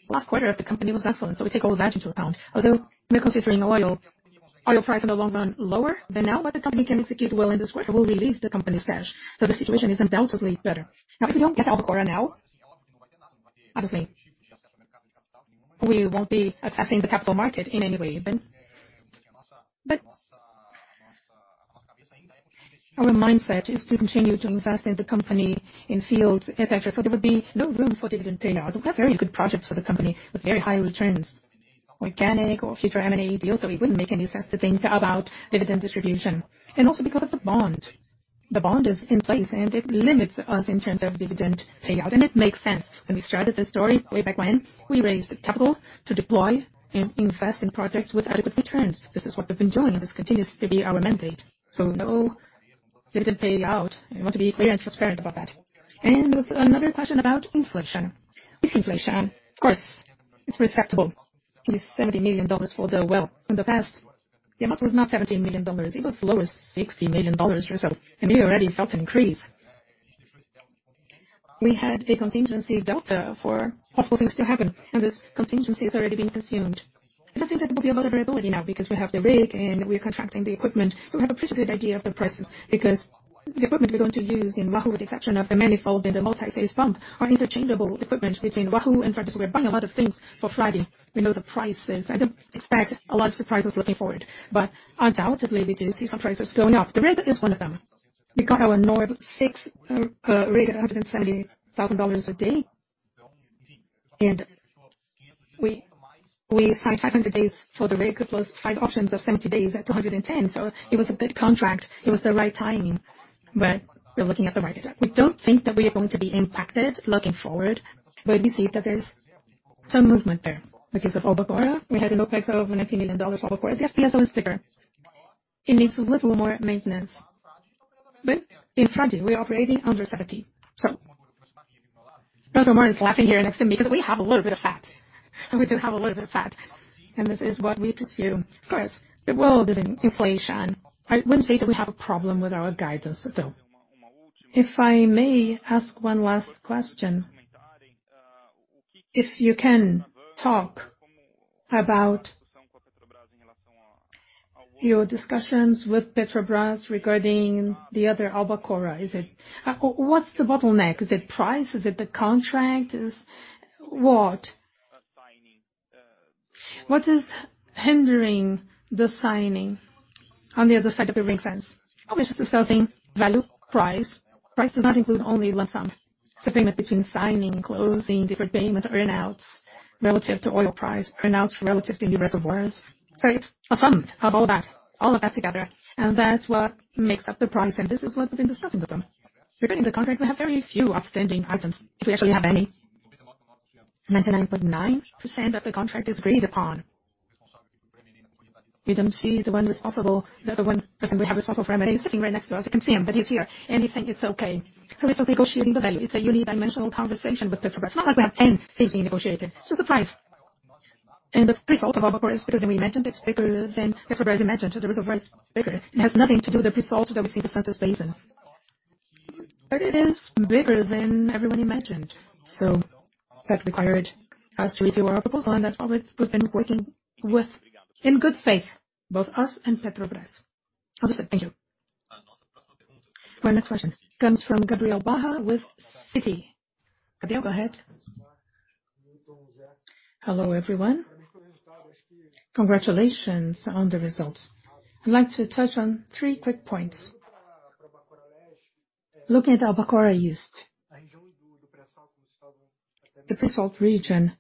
Last quarter of the company was excellent, so we take all that into account. Although we're considering the oil price in the long run lower than now, but the company can execute well in this quarter will relieve the company's cash. The situation is undoubtedly better. Now, if we don't get Albacora now, obviously, we won't be accessing the capital market in any way then. Our mindset is to continue to invest in the company, in fields, et cetera. There would be no room for dividend payout. We have very good projects for the company with very high returns, organic or future M&A deals. It wouldn't make any sense to think about dividend distribution. Also because of the bond. The bond is in place and it limits us in terms of dividend payout, and it makes sense. When we started this story way back when, we raised capital to deploy and invest in projects with adequate returns. This is what we've been doing, and this continues to be our mandate. No dividend payout. I want to be clear and transparent about that. There was another question about inflation. This inflation, of course, it's respectable. At least $70 million for the well. In the past, the amount was not $70 million, it was lower, $60 million or so, and we already felt an increase. We had a contingency delta for possible things to happen, and this contingency has already been consumed. I don't think that will be a vulnerability now because we have the rig and we're contracting the equipment, so we have a pretty good idea of the prices. Because the equipment we're going to use in Wahoo, with the exception of the manifold and the multi-phase pump, are interchangeable equipment between Wahoo and Frade. We're buying a lot of things for Friday. We know the prices. I don't expect a lot of surprises looking forward, but undoubtedly we do see some prices going up. The rig is one of them. We got our NORBE VI rig at $170,000 a day. We signed 500 days for the rig, plus five options of 70 days at $210,000. It was a good contract. It was the right timing, but we're looking at the market. We don't think that we are going to be impacted looking forward, but we see that there's some movement there. Because of Albacora, we had a CapEx of $19 million. Albacora, the FPSO is bigger. It needs a little more maintenance. In Frade, we're operating under $70. Francilmar Fernandes is laughing here next to me because we have a little bit of fat, and we do have a little bit of fat, and this is what we pursue. Of course, the world is in inflation. I wouldn't say that we have a problem with our guidance, though. If I may ask one last question. If you can talk about your discussions with Petrobras regarding the other Albacora. What's the bottleneck? Is it price? Is it the contract? What is hindering the signing on the other side of the ring fence? We're just discussing value, price. Price does not include only lump sum. It's agreement between signing, closing, different payment earn-outs relative to oil price, earn-outs relative to new reservoirs. A sum of all that, all of that together, and that's what makes up the price, and this is what we've been discussing with them. Regarding the contract, we have very few outstanding items, if we actually have any. 99.9% of the contract is agreed upon. You don't see the one responsible, the one person we have responsible for M&A. He's sitting right next to us. You can't see him, but he's here, and he's saying it's okay. It's just negotiating the value. It's a one-dimensional conversation with Petrobras. It's not like we have 10 things being negotiated. It's just the price. The result of Albacora Leste is bigger than we imagined. It's bigger than Petrobras imagined. The reserve is bigger. It has nothing to do with the result that we see at super basin. It is bigger than everyone imagined. That required us to review our proposal, and that's what we've been working with in good faith, both us and Petrobras. Obviously. Thank you. Our next question comes from Gabriel Barra with Citi. Gabriel, go ahead. Hello, everyone. Congratulations on the results. I'd like to touch on three quick points. Looking at Albacora Leste, the pre-salt region,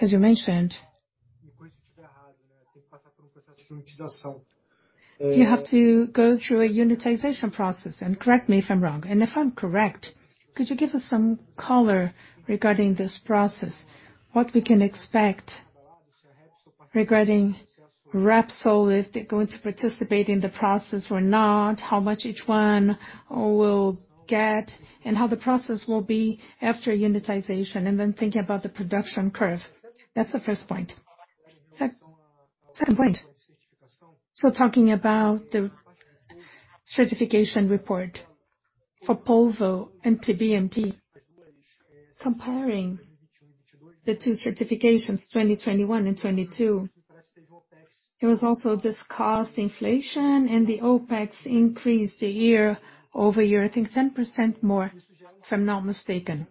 as you mentioned, you have to go through a unitization process, and correct me if I'm wrong. If I'm correct, could you give us some color regarding this process, what we can expect regarding Repsol, if they're going to participate in the process or not, how much each one will get, and how the process will be after unitization, and then thinking about the production curve. That's the first point. Second point. Talking about the certification report for Polvo and TBMT, comparing the two certifications, 2021 and 2022. There was also discussed inflation and the OPEX increased a year over year, I think 10% more, if I'm not mistaken.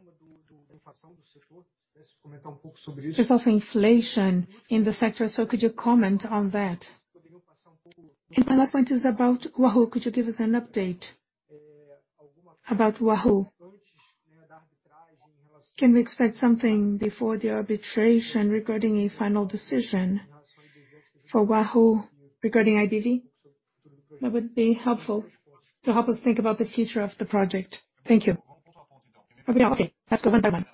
There's also inflation in the sector, so could you comment on that? My last point is about Wahoo. Could you give us an update about Wahoo? Can we expect something before the arbitration regarding a final decision for Wahoo regarding IBV? That would be helpful to help us think about the future of the project. Thank you. Okay, let's go one by one.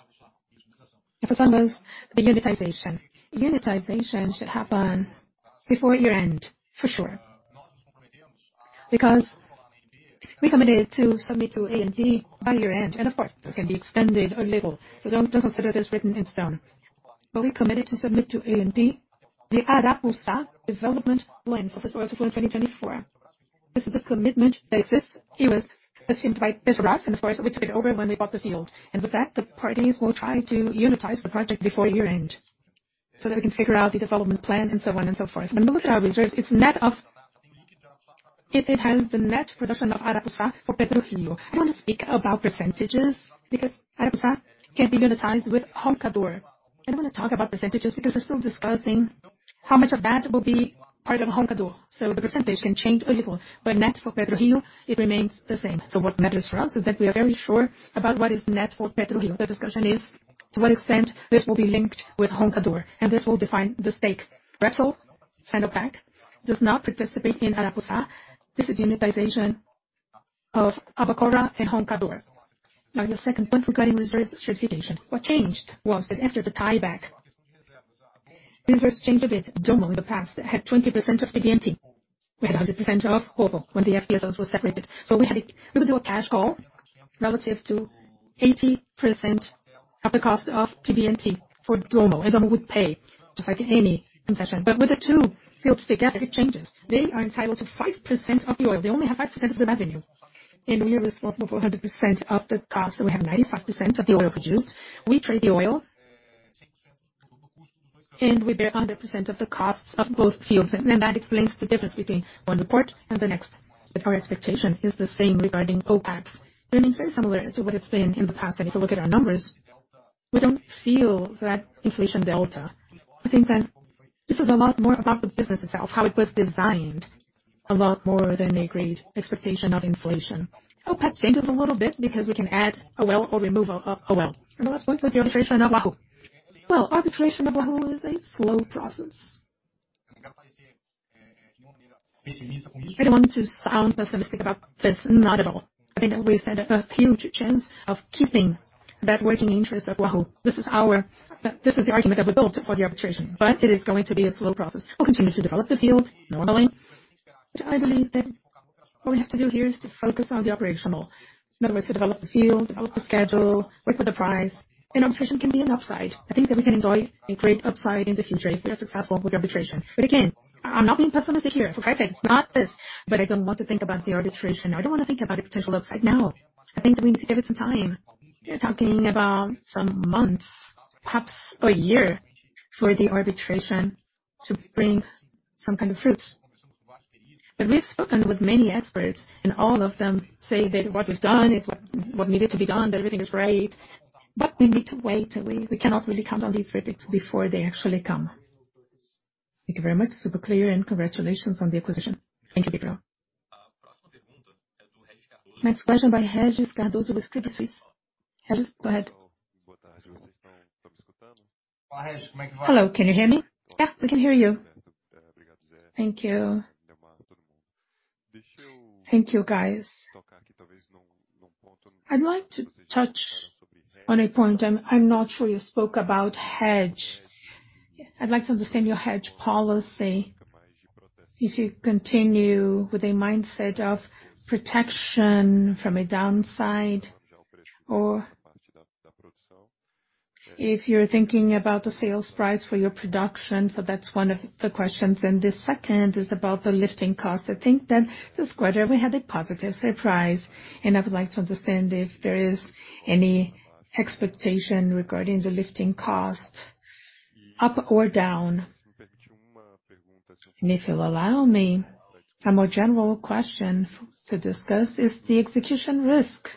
The first one was the unitization. Unitization should happen before year-end, for sure. We committed to submit to ANP by year-end, and of course, this can be extended a little, so don't consider this written in stone. We committed to submit to ANP the Arapuça development plan for this oil field in 2024. This is a commitment that exists. It was assumed by Petrobras and of course, we took it over when we bought the field. With that, the parties will try to unitize the project before year-end, so that we can figure out the development plan and so on and so forth. When we look at our reserves, it's net of. It has the net production of Arapuça for PetroRio. I don't wanna speak about percentages because Arapuça can be unitized with Roncador. I don't wanna talk about percentages because we're still discussing how much of that will be part of Roncador, so the percentage can change a little. Net for PetroRio, it remains the same. What matters for us is that we are very sure about what is net for PetroRio. The discussion is to what extent this will be linked with Roncador, and this will define the stake. Repsol, Sinopec does not participate in Arapuça. This is unitization of Albacora and Roncador. Now, your second point regarding reserves certification. What changed was that after the tieback, reserves changed a bit. Dommo in the past had 20% of TBMT. We had 100% of Polvo when the FPSOs was separated. We would do a cash call relative to 80% of the cost of TBMT for Dommo, and Dommo would pay just like any concession. With the two fields together, it changes. They are entitled to 5% of the oil. They only have 5% of the revenue. We are responsible for 100% of the cost, so we have 95% of the oil produced. We trade the oil and we bear 100% of the costs of both fields. That explains the difference between one report and the next. Our expectation is the same regarding OPEX. It remains very similar to what it's been in the past. If you look at our numbers, we don't feel that inflation delta. I think that this is a lot more about the business itself, how it was designed, a lot more than a great expectation of inflation. OPEX changes a little bit because we can add a well or remove a well. The last point was the arbitration of Wahoo. Well, arbitration of Wahoo is a slow process. I don't want to sound pessimistic about this, not at all. I think that we stand a huge chance of keeping that working interest at Wahoo. This is the argument that we built for the arbitration, but it is going to be a slow process. We'll continue to develop the field, no question. I believe that what we have to do here is to focus on the operational. In other words, to develop the field, develop the schedule, wait for the price. Arbitration can be an upside. I think that we can enjoy a great upside in the future if we are successful with the arbitration. Again, I'm not being pessimistic here, okay? Not this, but I don't want to think about the arbitration. I don't wanna think about a potential upside now. I think that we need to give it some time. We're talking about some months, perhaps a year, for the arbitration to bring some kind of fruits. We've spoken with many experts, and all of them say that what we've done is what needed to be done, that everything is great. We need to wait. We cannot really count on these verdicts before they actually come. Thank you very much. Super clear, and congratulations on the acquisition. Thank you, Gabriel. Next question by Régis Cardoso with Credit Suisse. Régis, go ahead. Hello. Can you hear me? Yeah, we can hear you. Thank you. Thank you, guys. I'd like to touch on a point I'm not sure you spoke about hedge. I'd like to understand your hedge policy. If you continue with a mindset of protection from a downside or if you're thinking about the sales price for your production. That's one of the questions. The second is about the lifting cost. I think that this quarter we had a positive surprise, and I would like to understand if there is any expectation regarding the lifting cost up or down. If you'll allow me, a more general question to discuss is the execution risk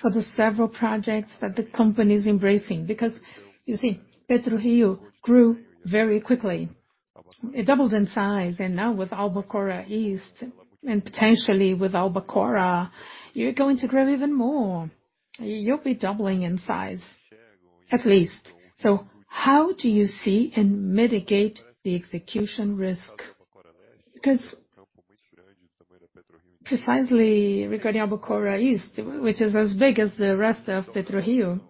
for the several projects that the company is embracing. Because you see, PetroRio grew very quickly. It doubled in size, and now with Albacora Leste, and potentially with Albacora, you're going to grow even more. You'll be doubling in size, at least. How do you see and mitigate the execution risk? Because precisely regarding Albacora Leste, which is as big as the rest of PetroRio,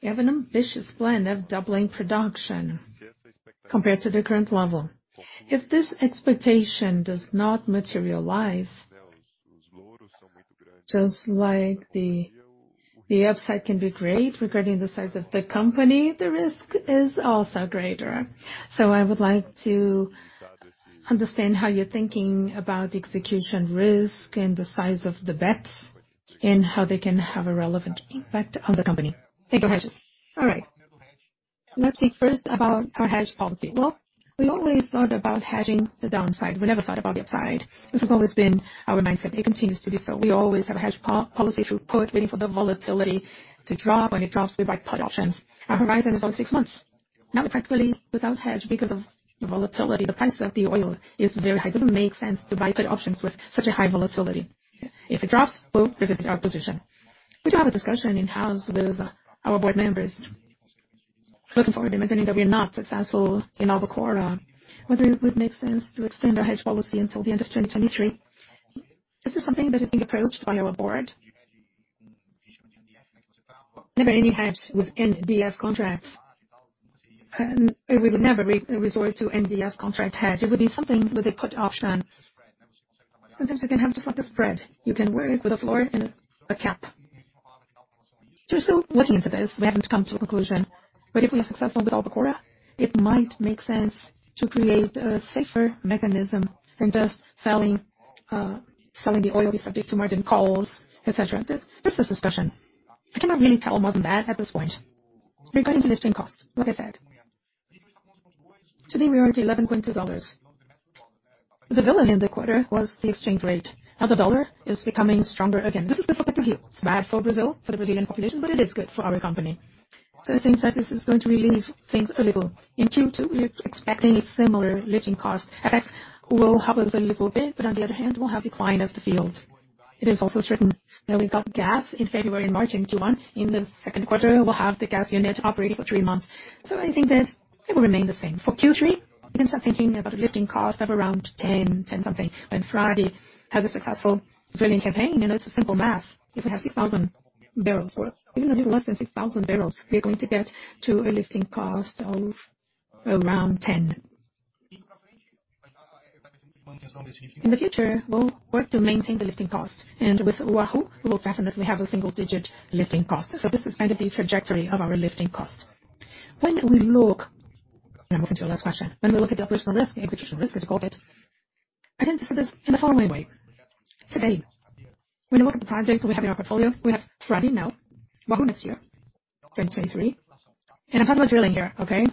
you have an ambitious plan of doubling production compared to the current level. If this expectation does not materialize, just like the upside can be great regarding the size of the company, the risk is also greater. I would like to understand how you're thinking about execution risk and the size of the bets. How they can have a relevant impact on the company. Hedges. All right. Let's speak first about our hedge policy. Well, we always thought about hedging the downside. We never thought about the upside. This has always been our mindset, and it continues to be so. We always have a hedge policy through puts, waiting for the volatility to drop. When it drops, we buy put options. Our horizon is always six months. Now we're practically without hedge because of the volatility. The price of the oil is very high. It doesn't make sense to buy put options with such a high volatility. If it drops, boom, revisit our position. We do have a discussion in-house with our board members. Looking forward, imagining that we are not successful in Albacora, whether it would make sense to extend our hedge policy until the end of 2023. This is something that is being approached by our board. Never any hedge with NDF contracts. We will never resort to NDF contract hedge. It would be something with a put option. Sometimes you can have just like a spread. You can wear it with a floor and a cap. We're still looking into this. We haven't come to a conclusion. If we are successful with Albacora, it might make sense to create a safer mechanism than just selling the oil be subject to margin calls, et cetera. This is discussion. I cannot really tell more than that at this point. Regarding lifting costs, like I said, today we are at $11.2. The villain in the quarter was the exchange rate. Now the dollar is becoming stronger again. This is good for PetroRio. It's bad for Brazil, for the Brazilian population, but it is good for our company. I think that this is going to relieve things a little. In Q2 we're expecting a similar lifting cost. FX will help us a little bit, but on the other hand, we'll have decline of the field. It is also certain. Now we've got gas in February and March in Q1. In the second quarter, we'll have the gas unit operating for three months. I think that it will remain the same. For Q3, we can start thinking about a lifting cost of around $10-something. When Frade has a successful drilling campaign, and it's simple math. If we have 6,000 barrels, or even a little less than 6,000 barrels, we are going to get to a lifting cost of around $10. In the future, we'll work to maintain the lifting cost. With Wahoo, we'll definitely have a single digit lifting cost. This is kind of the trajectory of our lifting cost. I'm moving to your last question. When we look at the operational risk, execution risk, as you called it, I tend to see this in the following way. Today, when we look at the projects that we have in our portfolio, we have Frade now, Wahoo next year, 2023. I'm talking about drilling here, okay?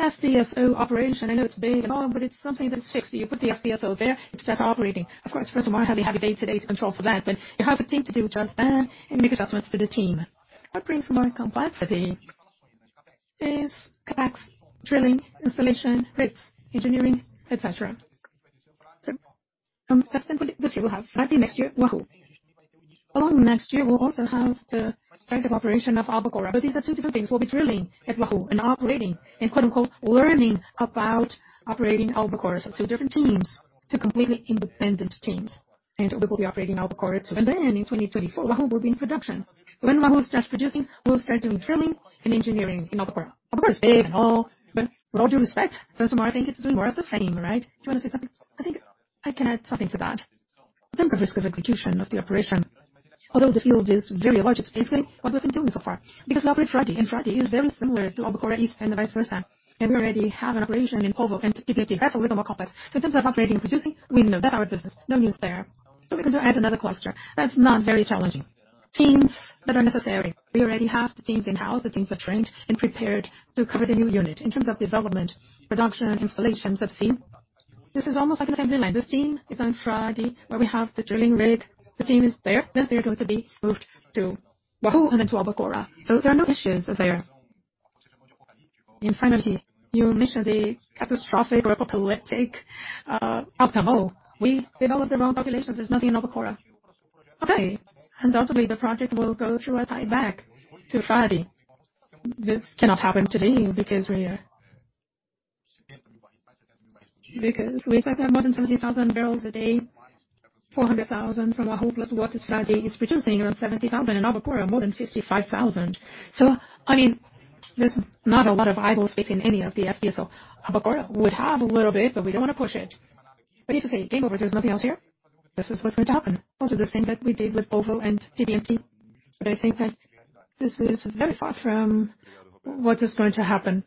FPSO operation, I know it's big and all, but it's something that is fixed. You put the FPSO there, it starts operating. Of course, Francilmar will have a day-to-day control for that, but you have a team to do just that and make adjustments to the team. What brings more complexity is CapEx, drilling, installation, rigs, engineering, et cetera. That's simple. This year we'll have Frade, next year Wahoo. Along next year, we'll also have the start of operation of Albacora. These are two different things. We'll be drilling at Wahoo and operating and quote-unquote learning about operating Albacora. Two different teams, two completely independent teams. We will be operating Albacora too. Then in 2024, Wahoo will be in production. When Wahoo starts producing, we'll start doing drilling and engineering in Albacora. Of course, big and all, but with all due respect, Francilmar Fernandes is doing more of the same, right? Do you want to say something? I think I can add something to that. In terms of risk of execution of the operation, although the field is very large, it's basically what we've been doing so far. Because we operate Frade, and Frade is very similar to Albacora Leste and vice versa. We already have an operation in Polvo and TBMT. That's a little more complex. In terms of operating and producing, we know that's our business. No news there. We can add another cluster. That's not very challenging. Teams that are necessary, we already have the teams in-house. The teams are trained and prepared to cover the new unit. In terms of development, production, installations at sea, this is almost like an assembly line. This team is on Frade, where we have the drilling rig. The team is there, then they're going to be moved to Wahoo and then to Albacora. There are no issues there. Finally, you mentioned the catastrophic or apocalyptic outcome. Oh, we developed the wrong populations, there's nothing in Albacora. Okay. Undoubtedly, the project will go through a tieback to Frade. This cannot happen today because we expect to have more than 70,000 barrels a day, 400,000 from Wahoo plus what Frade is producing, around 70,000. In Albacora Leste, more than 55,000. I mean, there's not a lot of oil to speak of in any of the FPSO. Albacora Leste would have a little bit, but we don't want to push it. If you say, game over, there's nothing else here, this is what's going to happen. Also the same that we did with Polvo and TBMT. I think that this is very far from what is going to happen.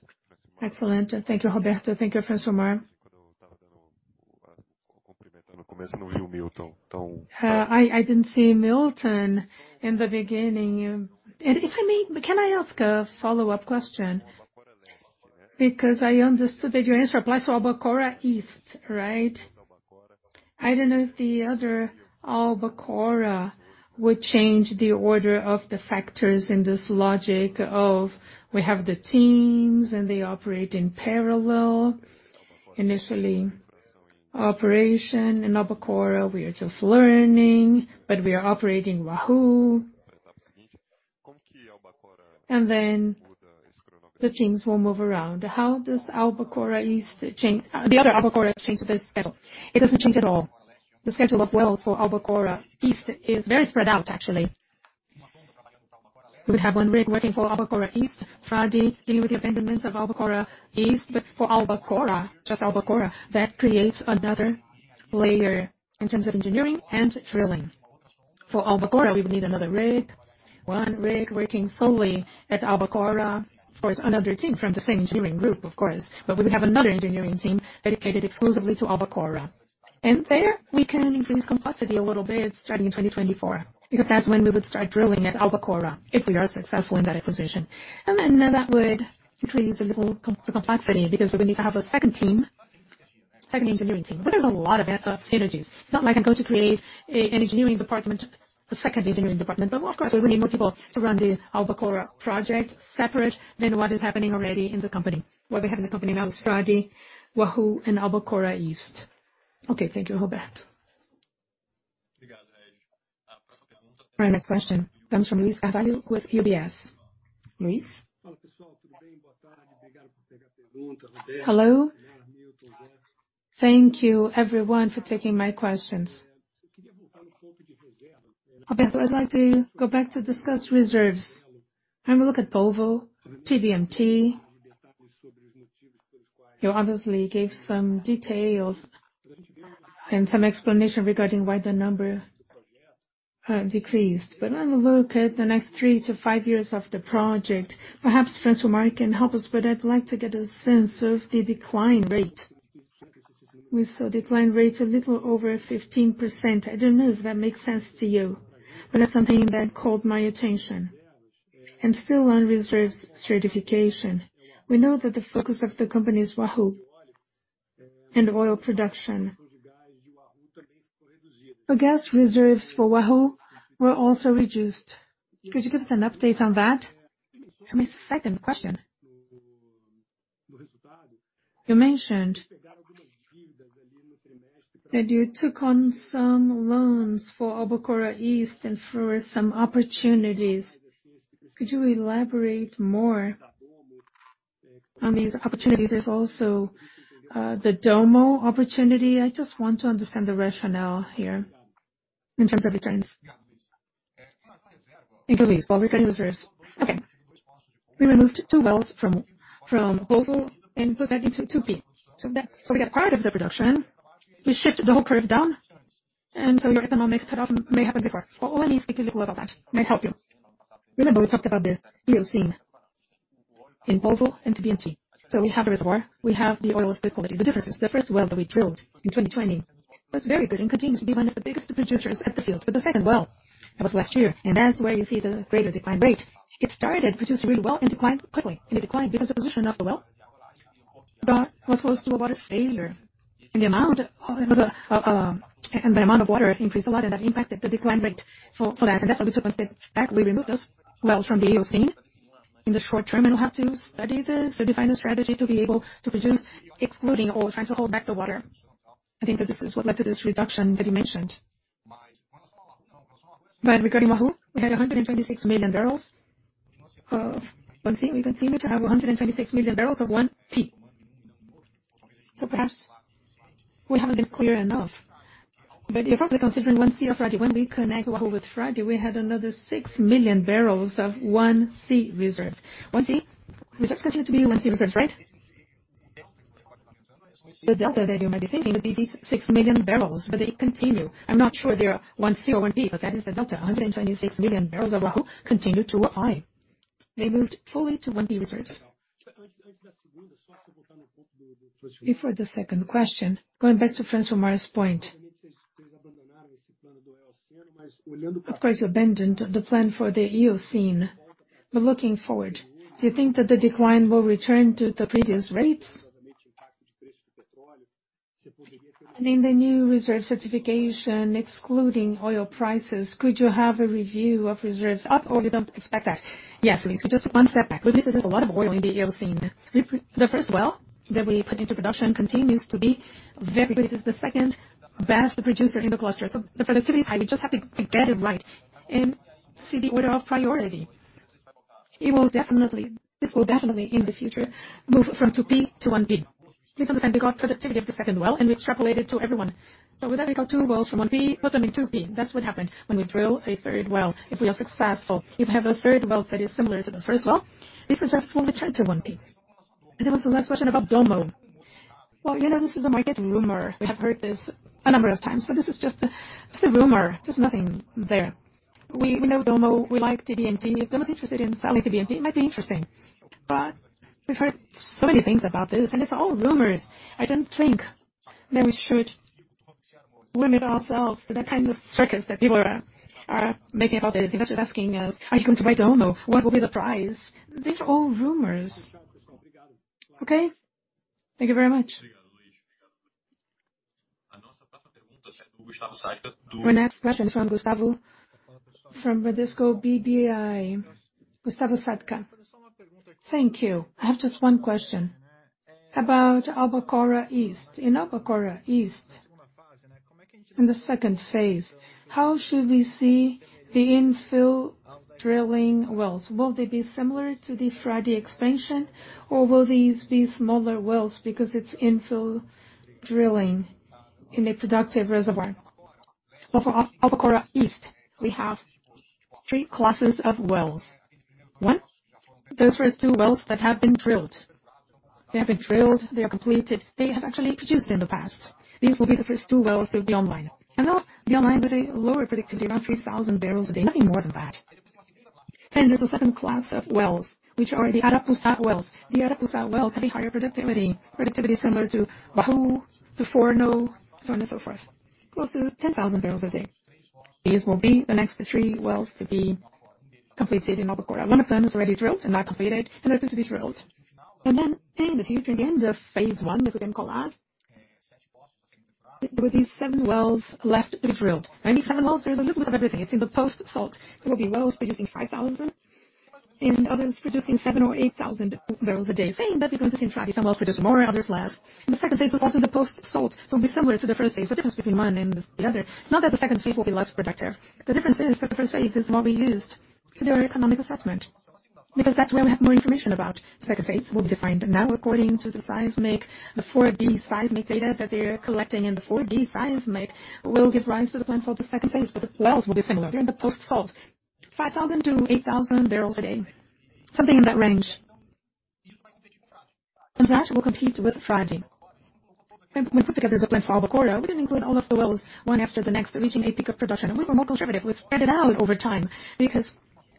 Excellent. Thank you, Roberto. Thank you, Francilmar Fernandes. I didn't see Milton in the beginning. If I may, can I ask a follow-up question? Because I understood that your answer applies to Albacora Leste, right? I don't know if the other Albacora would change the order of the factors in this logic of we have the teams and they operate in parallel. Initially, operation in Albacora, we are just learning, but we are operating Wahoo. The teams will move around. How does the other Albacora change this schedule? It doesn't change at all. The schedule of wells for Albacora Leste is very spread out, actually. We could have one rig working for Albacora Leste, Frade, dealing with the abandonments of Albacora Leste. For Albacora, just Albacora, that creates another layer in terms of engineering and drilling. For Albacora, we would need another rig. One rig working solely at Albacora. Of course, another team from the same engineering group, of course. We would have another engineering team dedicated exclusively to Albacora. There we can increase complexity a little bit starting in 2024, because that's when we would start drilling at Albacora, if we are successful in that acquisition. That would increase a little complexity because we're gonna have a second team, second engineering team. There's a lot of synergies. It's not like I'm going to create an engineering department, a second engineering department. Of course, we're gonna need more people to run the Albacora project separate than what is happening already in the company. What we have in the company now is Frade, Wahoo, and Albacora Leste. Okay, thank you, Roberto. Our next question comes from Luiz Carvalho with UBS. Luiz? Hello. Thank you everyone for taking my questions. Roberto, I'd like to go back to discuss reserves. When we look at Polvo, TBMT, you obviously gave some details and some explanation regarding why the number decreased. When we look at the next three to five years of the project, perhaps Francilmar Fernandes can help us, but I'd like to get a sense of the decline rate. We saw decline rate a little over 15%. I don't know if that makes sense to you, but that's something that caught my attention. Still on reserves certification, we know that the focus of the company is Wahoo and oil production. Gas reserves for Wahoo were also reduced. Could you give us an update on that? My second question, you mentioned that you took on some loans for Albacora Leste and for some opportunities. Could you elaborate more on these opportunities? There's also the Dommo opportunity. I just want to understand the rationale here in terms of returns. In Portuguese, while we're cutting the service. Okay. We removed two wells from Polvo and put that into 2P. We got part of the production, we shifted the whole curve down, and your economic cut off may happen before. Let me speak a little about that, might help you. Remember we talked about the Eocene in Polvo and TBMT. We have the reservoir, we have the oil field quality. The difference is the first well that we drilled in 2020 was very good and continues to be one of the biggest producers at the field. The second well, that was last year, and that's where you see the greater decline rate. It started produced really well and declined quickly. It declined because the position of the well was close to a water fault. The amount of water increased a lot and that impacted the decline rate for that. That's why we took a step back. We removed those wells from the Eocene. In the short term, we'll have to study this to define a strategy to be able to produce excluding oil, trying to hold back the water. I think that this is what led to this reduction that you mentioned. Regarding Wahoo, we had 126 million barrels of 1C. We continue to have 126 million barrels of 1P. Perhaps we haven't been clear enough. If we're considering 1C of Frade, when we connect Wahoo with Frade we had another 6 million barrels of 1C reserves. 1C reserves continue to be 1C reserves, right? The delta that you might be thinking would be these 6 million barrels, but they continue. I'm not sure they're 1C or 1P, but that is the delta. 126 million barrels of Wahoo continue to apply. They moved fully to 1P reserves. Before the second question, going back to Francilmar Fernandes's point, of course you abandoned the plan for the Eocene. Looking forward, do you think that the decline will return to the previous rates? In the new reserve certification, excluding oil prices, could you have a review of reserves up, or you don't expect that? Yes, Luiz. Just one step back. We believe there's a lot of oil in the Eocene. The first well that we put into production continues to be very good. It is the second best producer in the cluster. The productivity is high. We just have to to get it right and see the order of priority. This will definitely in the future move from 2P to 1P. Please understand we got productivity of the second well, and we extrapolated to everyone. With that, we got two wells from 1P, put them in 2P. That's what happened when we drill a third well, if we are successful. If we have a third well that is similar to the first well, these reserves will return to 1P. There was the last question about Dommo. Well, you know, this is a market rumor. We have heard this a number of times, but this is just a rumor. There's nothing there. We know Dommo, we like TBMT. If Dommo's interested in selling TBMT, it might be interesting. We've heard so many things about this, and it's all rumors. I don't think that we should limit ourselves to that kind of circus that people are making about this. Investors asking us, "Are you going to buy Dommo? What will be the price?" These are all rumors. Okay? Thank you very much. Our next question is from Gustavo from Bradesco BBI. Gustavo Sadka. Thank you. I have just one question about Albacora Leste. In Albacora Leste, in the second phase, how should we see the infill drilling wells? Will they be similar to the Frade expansion or will these be smaller wells because it's infill drilling in a productive reservoir? Well, for Albacora Leste, we have three classes of wells. One, those first two wells that have been drilled, they are completed. They have actually produced in the past. These will be the first two wells to be online. They'll be online with a lower productivity, around 3,000 barrels a day, nothing more than that. There's a second class of wells, which are the Arapuça wells. The Arapuça wells have a higher productivity. Productivity similar to Bahô, to Forno, so on and so forth. Close to 10,000 barrels a day. These will be the next three wells to be completed in Albacora. One of them is already drilled and not completed, and the other two to be drilled. In the future, in the end of phase one at [Guaiambô Lado], there will be seven wells left to be drilled. These seven wells, there's a little bit of everything. It's in the post-salt. There will be wells producing 5,000, and others producing 7,000 or 8,000 barrels a day. Same, but because it's in Frade, some wells produce more, others less. The second phase is also the post-salt. It'll be similar to the first phase. The difference between one and the other, not that the second phase will be less productive. The difference is that the first phase is what we used to do our economic assessment, because that's where we have more information about. The second phase will be defined now according to the seismic, the 4D seismic data that they're collecting. The 4D seismic will give rise to the plan for the second phase, but the wells will be similar. They're in the post-salt, 5,000-8,000 barrels a day, something in that range. Frade will compete with Frade. When we put together the plan for Albacora, we didn't include all of the wells one after the next, reaching a peak of production. We were more conservative. We spread it out over time because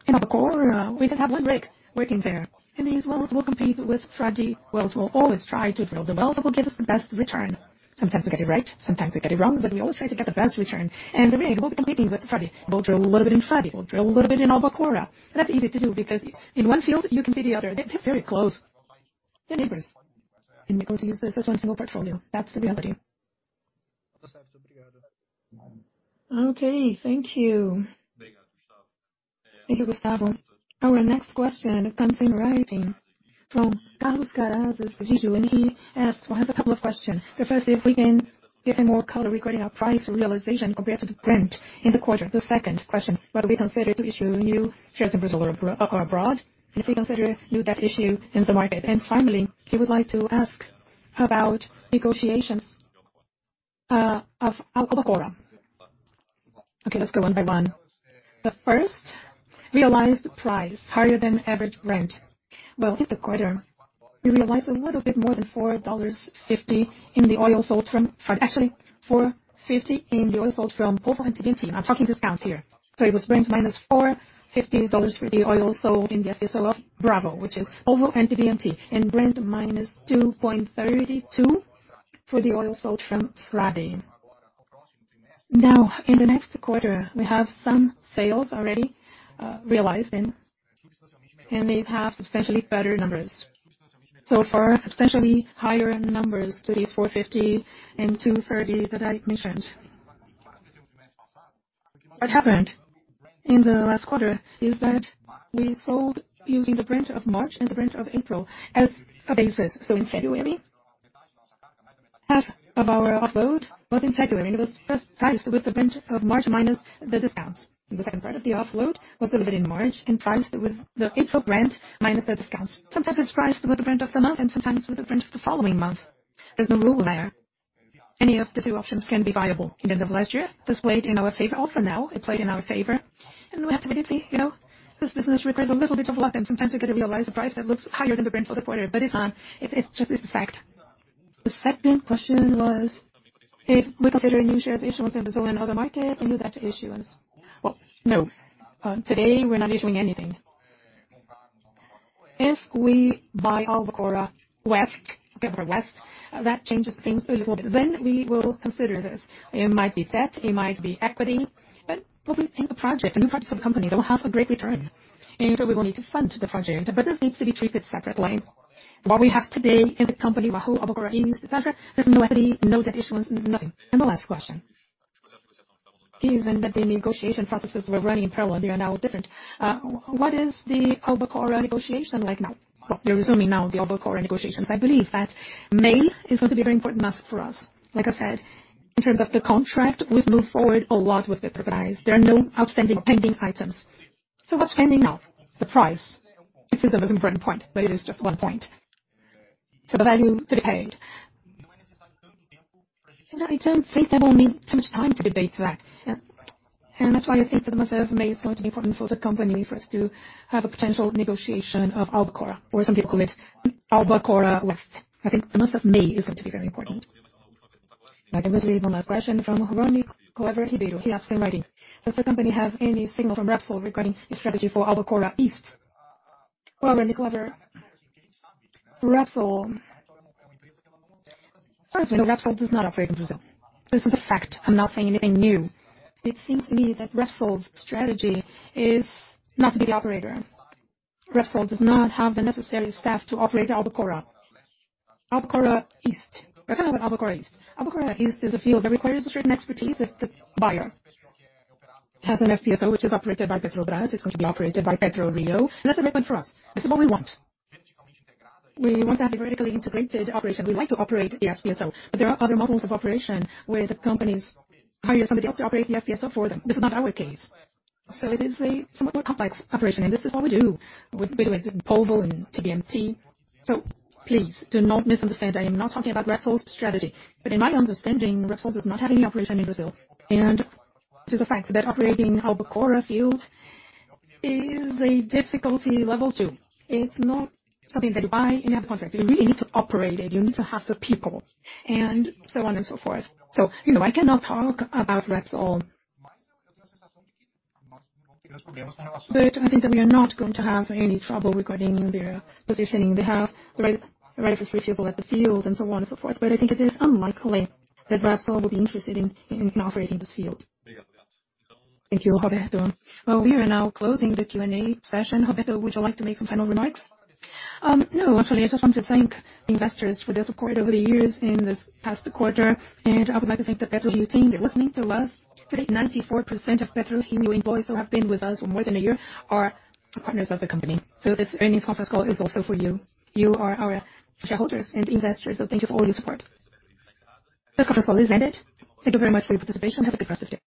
in Albacora we just have one rig working there. These wells will compete with Frade wells. We'll always try to drill the well that will give us the best return. Sometimes we get it right, sometimes we get it wrong, but we always try to get the best return. The rig will be competing with Frade. We'll drill a little bit in Frade, we'll drill a little bit in Albacora. That's easy to do because in one field you can see the other. They're very close. They're neighbors, and we're going to use this as one single portfolio. That's the reality. Okay, thank you. Thank you, Gustavo. Our next question comes in writing from Carlos Carazo. And he asks, well, has a couple of questions. The first, if we can give him more color regarding our price realization compared to the Brent in the quarter. The second question, would we consider to issue new shares in Brazil or abroad, and if we consider new debt issue in the market. And finally, he would like to ask about negotiations of Albacora Leste. Okay, let's go one by one. The first, realized price higher than average Brent. Well, in the quarter, we realized a little bit more than $4.50 in the oil sold from actually $4.50 in the oil sold from Polvo and TBMT. I'm talking discounts here. It was Brent minus $450 for the oil sold in the FPSO Bravo, which is Polvo and TBMT, and Brent minus $2.32 for the oil sold from Frade. Now, in the next quarter, we have some sales already realized, and these have substantially better numbers. So far, substantially higher numbers to these $450 and $2.30 that I mentioned. What happened in the last quarter is that we sold using the Brent of March and the Brent of April as a basis. In February, half of our offload was in February, and it was first priced with the Brent of March minus the discounts. The second part of the offload was delivered in March and priced with the April Brent minus the discounts. Sometimes it's priced with the Brent of the month and sometimes with the Brent of the following month. There's no rule there. Any of the two options can be viable. At the end of last year, this played in our favor. Also now it played in our favor. We have to believe, you know, this business requires a little bit of luck, and sometimes you get a realized price that looks higher than the Brent for the quarter. It's not. It's just a fact. The second question was if we consider new shares issuance in Brazil and other market or new debt issuance. Well, no. Today we're not issuing anything. If we buy Albacora Leste, that changes things a little bit. We will consider this. It might be debt, it might be equity, but it will be in a project, a new project for the company that will have a great return. We will need to fund the project. This needs to be treated separately. What we have today in the company, Wahoo, Albacora Leste, etcetera, there's no equity, no debt issuance, nothing. The last question is even that the negotiation processes were running in parallel and they are now different. What is the Albacora negotiation like now? Well, we're resuming now the Albacora negotiations. I believe that May is going to be a very important month for us. Like I said, in terms of the contract, we've moved forward a lot with Petrobras. There are no outstanding or pending items. What's pending now? The price. This is the most important point, but it is just one point. The value to be paid. You know, I don't think that will need too much time to debate that. Yeah. That's why I think the month of May is going to be important for the company, for us to have a potential negotiation of Albacora, or as some people call it, Albacora West. I think the month of May is going to be very important. I can proceed with one last question from Ronnie Crocker. He asks in writing: Does the company have any signal from Repsol regarding its strategy for Albacora Leste? Ronnie Crocker, Repsol... First of all, Repsol does not operate in Brazil. This is a fact. I'm not saying anything new. It seems to me that Repsol's strategy is not to be the operator. Repsol does not have the necessary staff to operate Albacora. Albacora Leste. Let's talk about Albacora Leste. Albacora Leste is a field that requires a certain expertise if the buyer has an FPSO, which is operated by Petrobras. It's going to be operated by PetroRio. That's a requirement for us. This is what we want. We want to have a vertically integrated operation. We like to operate the FPSO, but there are other models of operation where the companies hire somebody else to operate the FPSO for them. This is not our case. It is a somewhat more complex operation, and this is what we do with Polvo and TBMT. Please do not misunderstand. I am not talking about Repsol's strategy. In my understanding, Repsol does not have any operation in Brazil. It is a fact that operating Albacora Leste field is a difficulty level two. It's not something that you buy and you have a contract. You really need to operate it. You need to have the people and so on and so forth. You know, I cannot talk about Repsol. I think that we are not going to have any trouble regarding their positioning. They have the right of refusal at the field and so on and so forth. I think it is unlikely that Repsol will be interested in operating this field. Thank you, Roberto. Well, we are now closing the Q&A session. Roberto, would you like to make some final remarks? No. Actually, I just want to thank investors for their support over the years in this past quarter. I would like to thank the PetroRio team that was linked to us. Today, 94% of PetroRio employees who have been with us for more than a year are partners of the company. This earnings conference call is also for you. You are our shareholders and investors, so thank you for all your support. This conference call is ended. Thank you very much for your participation. Have a good rest of your day.